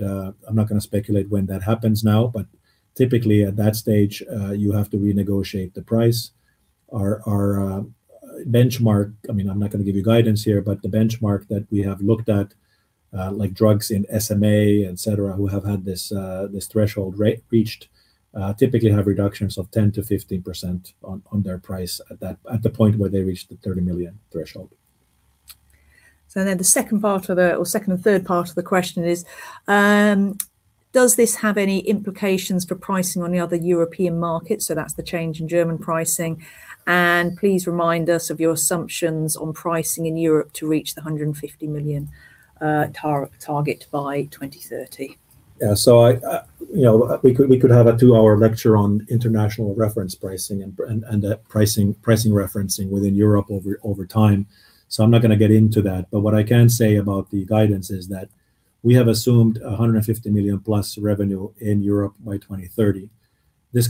not gonna speculate when that happens now, but typically at that stage, you have to renegotiate the price. Our benchmark, I mean, I'm not gonna give you guidance here, but the benchmark that we have looked at, like drugs in SMA, et cetera, who have had this threshold reached, typically have reductions of 10%-15% on their price at that at the point where they reach the 30 million threshold. The second part of the or second and third part of the question is, does this have any implications for pricing on the other European markets? That is the change in German pricing. Please remind us of your assumptions on pricing in Europe to reach the 150 million target by 2030. Yeah. I, you know, we could have a 2-hour lecture on international reference pricing and pricing referencing within Europe over time, so I'm not gonna get into that. What I can say about the guidance is that we have assumed 150 million-plus revenue in Europe by 2030. This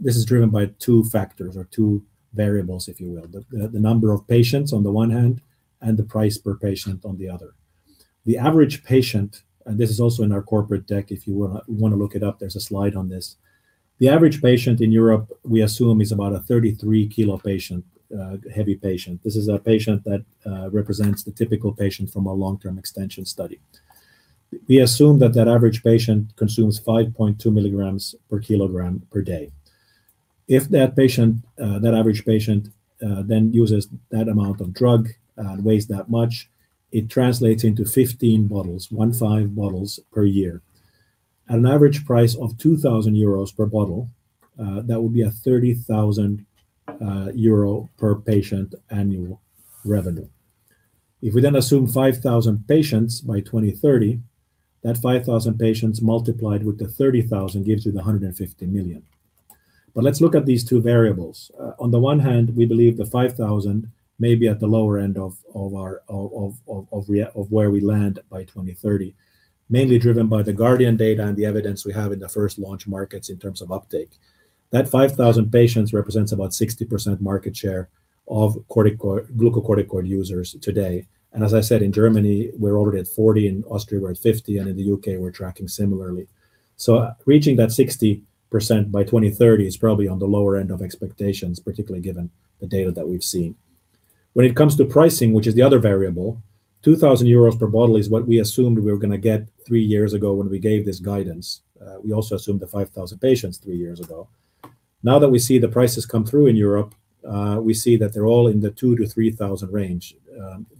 is driven by 2 factors or 2 variables, if you will. The number of patients on the 1 hand and the price per patient on the other. The average patient, and this is also in our corporate deck if you wanna look it up, there's a slide on this. The average patient in Europe, we assume, is about a 33-kilo patient, heavy patient. This is a patient that represents the typical patient from our long-term extension study. We assume that that average patient consumes 5.2 milligrams per kilogram per day. If that patient, that average patient, then uses that amount of drug, and weighs that much, it translates into 15 bottles, one-five bottles per year. At an average price of 2,000 euros per bottle, that would be a 30,000 euro per patient annual revenue. If we then assume 5,000 patients by 2030, that 5,000 patients multiplied with the 30,000 gives you the 150 million. Let's look at these two variables. On the one hand, we believe the 5,000 may be at the lower end of where we land by 2030, mainly driven by the GUARDIAN data and the evidence we have in the first launch markets in terms of uptake. That 5,000 patients represents about 60% market share of glucocorticoid users today. As I said, in Germany we're already at 40%, in Austria we're at 50%, and in the UK we're tracking similarly. Reaching that 60% by 2030 is probably on the lower end of expectations, particularly given the data that we've seen. When it comes to pricing, which is the other variable, 2,000 euros per bottle is what we assumed we were going to get 3 years ago when we gave this guidance. We also assumed the 5,000 patients 3 years ago. Now that we see the prices come through in Europe, we see that they're all in the 2,000-3,000 range.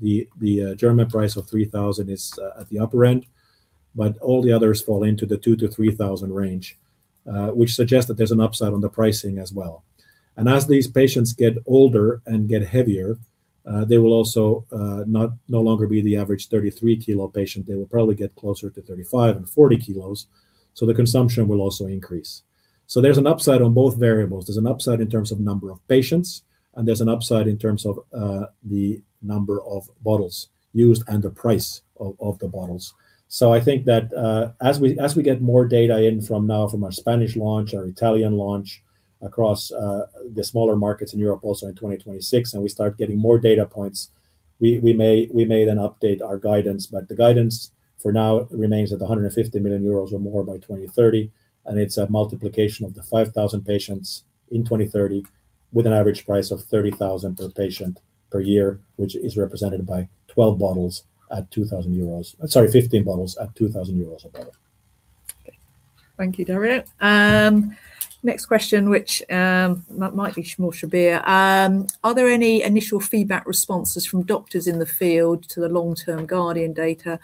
The German price of 3,000 is at the upper end, all the others fall into the 2,000-3,000 range, which suggests that there's an upside on the pricing as well. As these patients get older and get heavier, they will also no longer be the average 33-kilo patient. They will probably get closer to 35 and 40 kilos. The consumption will also increase. There's an upside on both variables. There's an upside in terms of number of patients, and there's an upside in terms of the number of bottles used and the price of the bottles. I think that, as we get more data in from now from our Spanish launch, our Italian launch across the smaller markets in Europe also in 2026 and we start getting more data points, we may then update our guidance. The guidance for now remains at 150 million euros or more by 2030, and it's a multiplication of the 5,000 patients in 2030 with an average price of 30,000 per patient per year, which is represented by 12 bottles at 2,000 euros. Sorry, 15 bottles at 2,000 euros a bottle. Okay. Thank you, Dario. Next question, which might be more Shabir. Are there any initial feedback responses from doctors in the field to the long-term GUARDIAN data?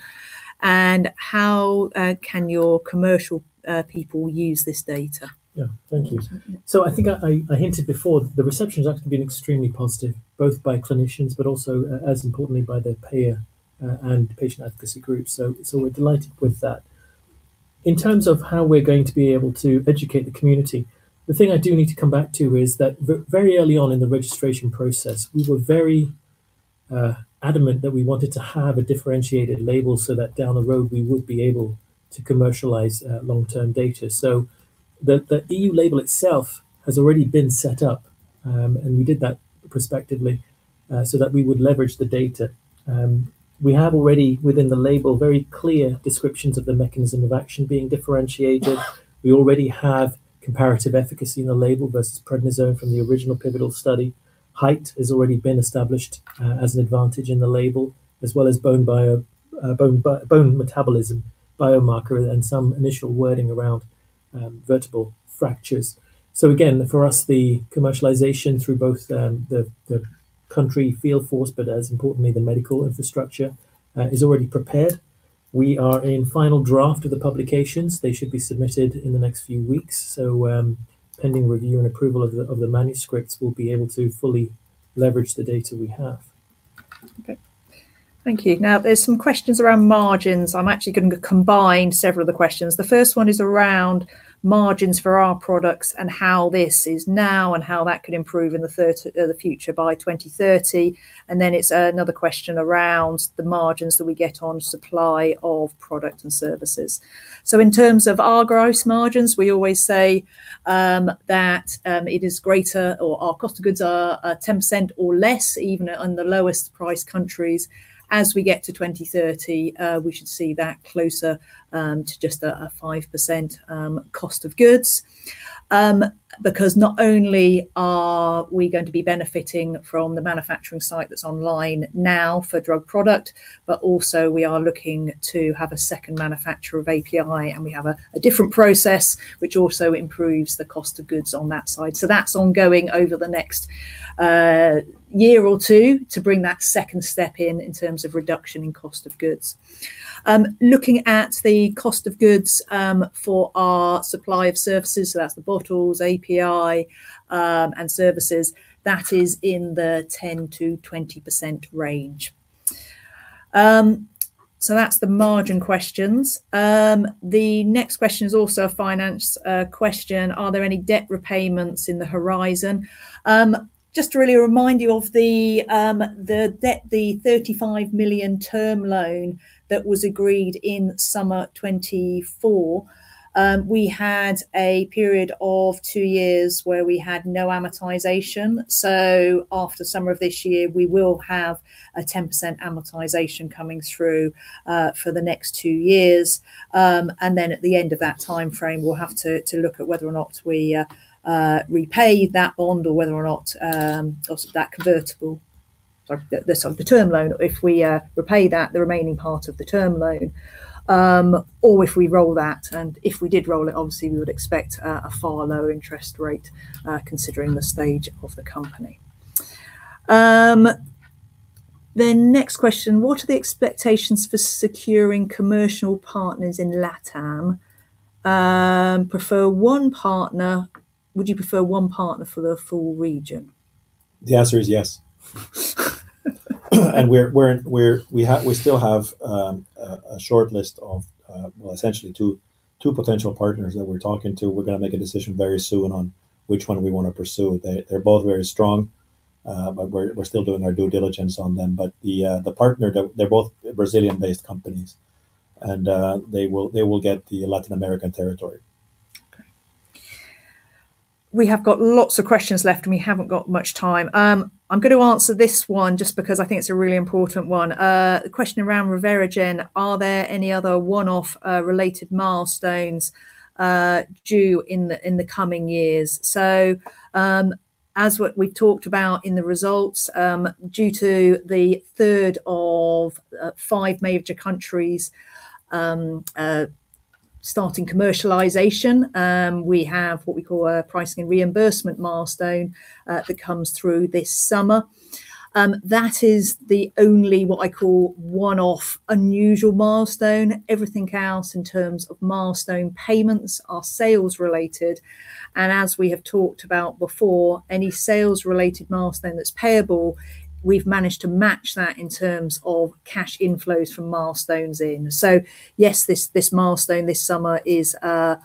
How can your commercial people use this data? Yeah. Thank you. Yeah. I think I hinted before that the reception has actually been extremely positive, both by clinicians but also, as importantly, by the payer and patient advocacy groups. We're delighted with that. In terms of how we're going to be able to educate the community, the thing I do need to come back to is that very early on in the registration process, we were very adamant that we wanted to have a differentiated label so that down the road we would be able to commercialize long-term data. The EU label itself has already been set up, and we did that prospectively so that we would leverage the data. We have already within the label very clear descriptions of the mechanism of action being differentiated. We already have comparative efficacy in the label versus prednisone from the original pivotal study. Height has already been established as an advantage in the label, as well as bone metabolism biomarker and some initial wording around vertebral fractures. Again, for us, the commercialization through both the country field force, but as importantly the medical infrastructure, is already prepared. We are in final draft of the publications. They should be submitted in the next few weeks. Pending review and approval of the manuscripts, we'll be able to fully leverage the data we have. Okay. Thank you. There's some questions around margins. I'm actually going to combine several of the questions. The first one is around margins for our products and how this is now and how that could improve in the future by 2030, and then it's another question around the margins that we get on supply of product and services. In terms of our gross margins, we always say that it is greater or our cost of goods are 10% or less even on the lowest price countries. As we get to 2030, we should see that closer to just a 5% cost of goods. Because not only are we going to be benefiting from the manufacturing site that's online now for drug product, but also we are looking to have a second manufacturer of API, and we have a different process which also improves the cost of goods on that side. That's ongoing over the next year or two to bring that second step in in terms of reduction in cost of goods. Looking at the cost of goods for our supply of services, so that's the bottles, API, and services, that is in the 10%-20% range. That's the margin questions. The next question is also a finance question. Are there any debt repayments in the horizon? Just to really remind you of the debt, the 35 million term loan that was agreed in summer 2024, we had a period of 2 years where we had no amortization. After summer of this year, we will have a 10% amortization coming through for the next 2 years. At the end of that timeframe, we'll have to look at whether or not we repay that bond or whether or not that convertible, or the term loan, if we repay that, the remaining part of the term loan, or if we roll that. If we did roll it, obviously we would expect a far lower interest rate considering the stage of the company. Next question, what are the expectations for securing commercial partners in LatAm? Would you prefer one partner for the full region? The answer is yes. We still have a shortlist of, well, essentially two potential partners that we're talking to. We're gonna make a decision very soon on which one we wanna pursue. They're both very strong, but we're still doing our due diligence on them. The partner, they're both Brazilian-based companies, and they will get the Latin American territory. Okay. We have got lots of questions left, and we haven't got much time. I'm gonna answer this one just because I think it's a really important one. The question around ReveraGen, are there any other one-off related milestones due in the coming years? As what we talked about in the results, due to the 3rd of 5 major countries starting commercialization, we have what we call a pricing and reimbursement milestone that comes through this summer. That is the only what I call one-off unusual milestone. Everything else in terms of milestone payments are sales related. As we have talked about before, any sales related milestone that's payable, we've managed to match that in terms of cash inflows from milestones in. Yes, this milestone this summer is a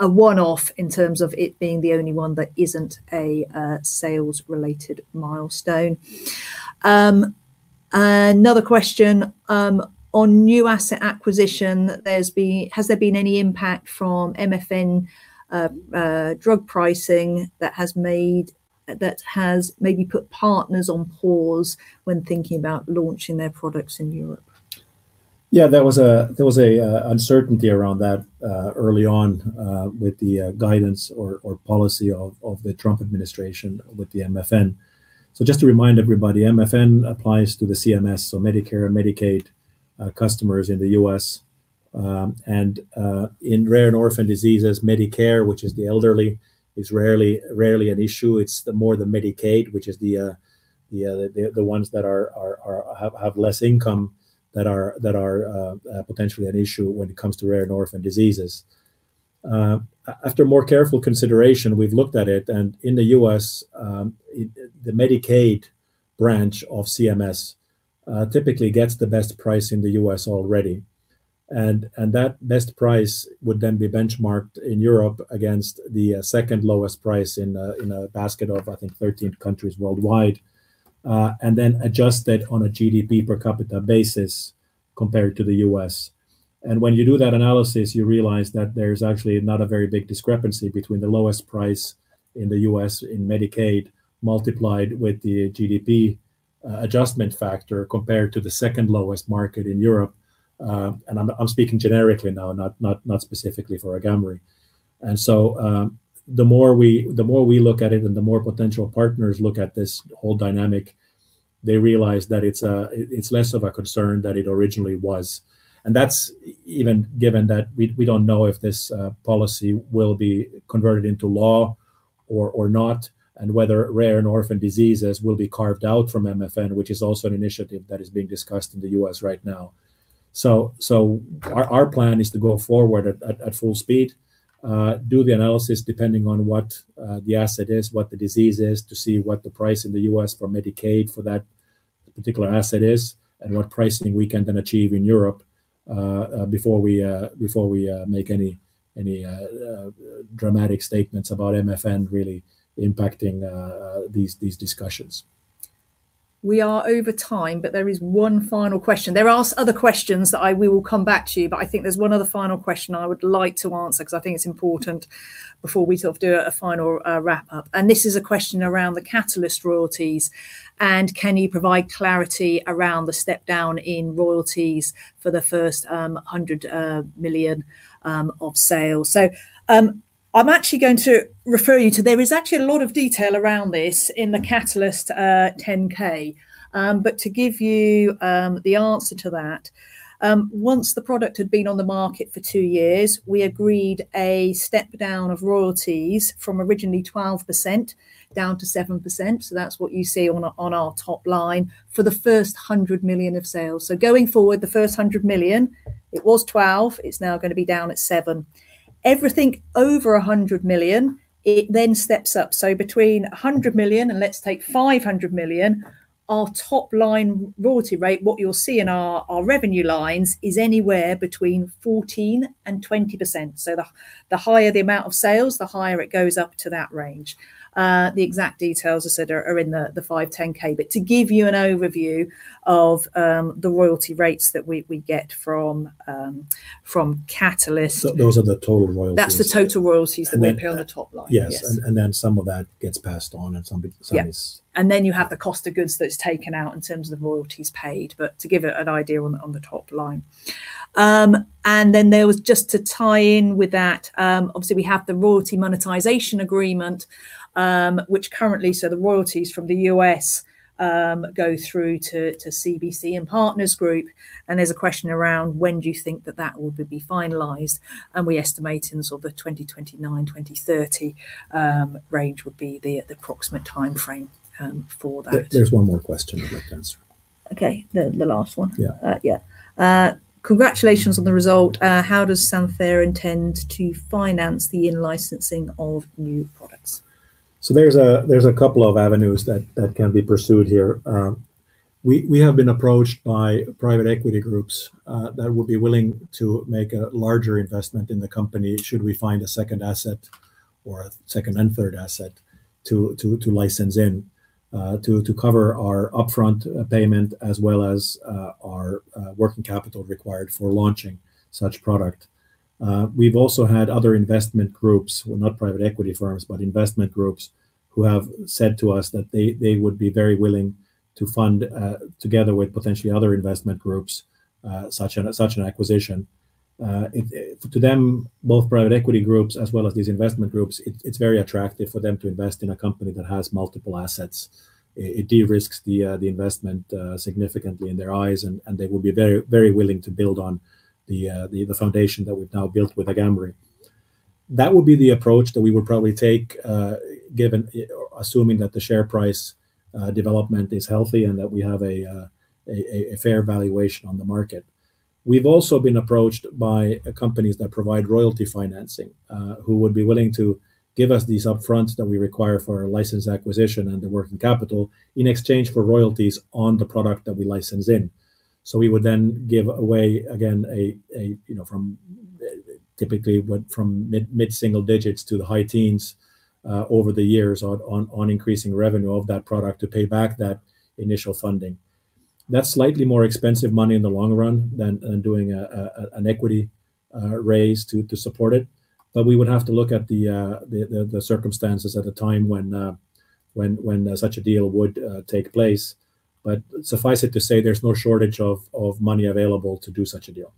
one-off in terms of it being the only one that isn't a sales related milestone. Another question on new asset acquisition, has there been any impact from MFN drug pricing that has maybe put partners on pause when thinking about launching their products in Europe? Yeah, there was uncertainty around that early on with the guidance or policy of the Trump administration with the MFN. Just to remind everybody, MFN applies to the CMS, so Medicare and Medicaid customers in the US In rare and orphan diseases, Medicare, which is the elderly, is rarely an issue. It's the more the Medicaid, which is the ones that have less income that are potentially an issue when it comes to rare and orphan diseases. After more careful consideration, we've looked at it, and in the US, it, the Medicaid branch of CMS, typically gets the best price in the US already. That best price would then be benchmarked in Europe against the second lowest price in a basket of, I think, 13 countries worldwide. Then adjusted on a GDP per capita basis compared to the US When you do that analysis, you realize that there's actually not a very big discrepancy between the lowest price in the US in Medicaid multiplied with the GDP adjustment factor compared to the second lowest market in Europe. I'm speaking generically now, not specifically for AGAMREE. The more we look at it and the more potential partners look at this whole dynamic, they realize that it's less of a concern than it originally was. That's even given that we don't know if this policy will be converted into law or not, and whether rare and orphan diseases will be carved out from MFN, which is also an initiative that is being discussed in the US right now. Our plan is to go forward at full speed, do the analysis depending on what the asset is, what the disease is, to see what the price in the US for Medicaid for that particular asset is, and what pricing we can then achieve in Europe before we make any dramatic statements about MFN really impacting these discussions. We are over time, but there is one final question. There are other questions that we will come back to you, but I think there's one other final question I would like to answer because I think it's important. Before we sort of do a final wrap-up. This is a question around the Catalyst royalties, and can you provide clarity around the step-down in royalties for the first 100 million of sales? I'm actually going to refer you to. There is actually a lot of detail around this in the Catalyst 10-K. To give you the answer to that, once the product had been on the market for 2 years, we agreed a step-down of royalties from originally 12% down to 7%, so that's what you see on our top line, for the first 100 million of sales. Going forward, the first 100 million, it was 12%, it's now gonna be down at 7%. Everything over 100 million, it then steps up. Between 100 million and 500 million, our top-line royalty rate, what you'll see in our revenue lines, is anywhere between 14%-20%. The exact details, as I said, are in the 10-K. To give you an overview of the royalty rates that we get from Catalyst. Those are the total royalties. That's the total royalties that we bill on the top line. And then... Yes. Yes. Some of that gets passed on, and some. Yeah some You have the cost of goods that's taken out in terms of the royalties paid, but to give an idea on the top line. There was, just to tie in with that, obviously we have the royalty monetization agreement, which currently, so the royalties from the US go through to CBC and Partners Group, and there's a question around when do you think that that will be finalized, and we estimate in sort of the 2029, 2030 range would be the approximate timeframe for that. There's one more question I'd like answered. Okay. The last one. Yeah. Yeah. Congratulations on the result. How does Santhera intend to finance the in-licensing of new products? There's a couple of avenues that can be pursued here. We have been approached by private equity groups that would be willing to make a larger investment in the company should we find a second asset or a second and third asset to license in to cover our upfront payment as well as our working capital required for launching such product. We've also had other investment groups, well, not private equity firms, but investment groups, who have said to us that they would be very willing to fund, together with potentially other investment groups, such an acquisition. To them, both private equity groups as well as these investment groups, it's very attractive for them to invest in a company that has multiple assets. It de-risks the investment significantly in their eyes and they would be very willing to build on the foundation that we've now built with AGAMREE. That would be the approach that we would probably take, or assuming that the share price development is healthy and that we have a fair valuation on the market. We've also been approached by companies that provide royalty financing, who would be willing to give us these upfronts that we require for our license acquisition and the working capital in exchange for royalties on the product that we license in. We would then give away again, you know, from typically what, from mid single digits to the high teens over the years on increasing revenue of that product to pay back that initial funding. That's slightly more expensive money in the long run than doing an equity raise to support it. We would have to look at the circumstances at the time when such a deal would take place. Suffice it to say there's no shortage of money available to do such a deal.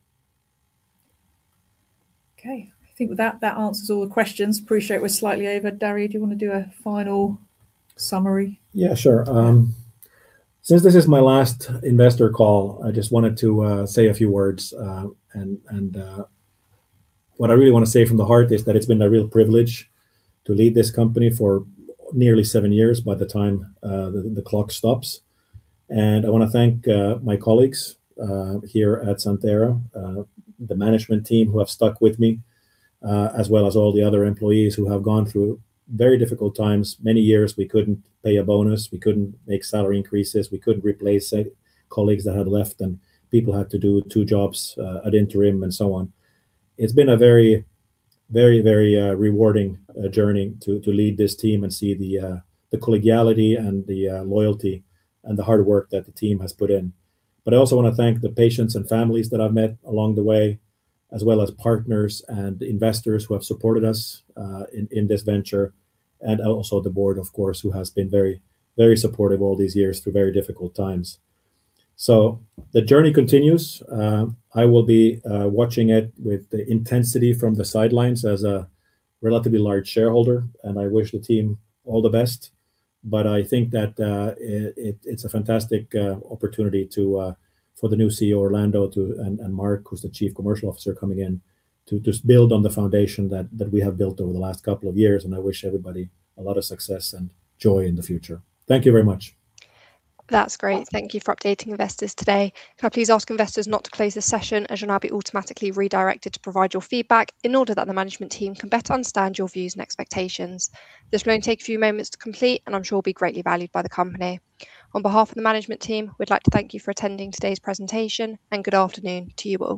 Okay. I think with that answers all the questions. Appreciate we're slightly over. Dario, do you wanna do a final summary? Since this is my last investor call, I just wanted to say a few words. What I really want to say from the heart is that it's been a real privilege to lead this company for nearly seven years by the time the clock stops. I want to thank my colleagues here at Santhera, the management team who have stuck with me, as well as all the other employees who have gone through very difficult times. Many years we couldn't pay a bonus, we couldn't make salary increases, we couldn't replace colleagues that had left and people had to do two jobs at interim. It's been a very rewarding journey to lead this team and see the collegiality and the loyalty and the hard work that the team has put in. I also want to thank the patients and families that I've met along the way, as well as partners and investors who have supported us in this venture, and also the board, of course, who has been very supportive all these years through very difficult times. The journey continues. I will be watching it with intensity from the sidelines as a relatively large shareholder, and I wish the team all the best. I think that, it's a fantastic opportunity to for the new Chief Executive Officer, Orlando, to, and Mark, who's the Chief Commercial Officer coming in, to just build on the foundation that we have built over the last couple of years, and I wish everybody a lot of success and joy in the future. Thank you very much. That's great. Thank you for updating investors today. Can I please ask investors not to close this session, as you'll now be automatically redirected to provide your feedback in order that the management team can better understand your views and expectations. This will only take a few moments to complete and I'm sure will be greatly valued by the company. On behalf of the management team, we'd like to thank you for attending today's presentation, and good afternoon to you all.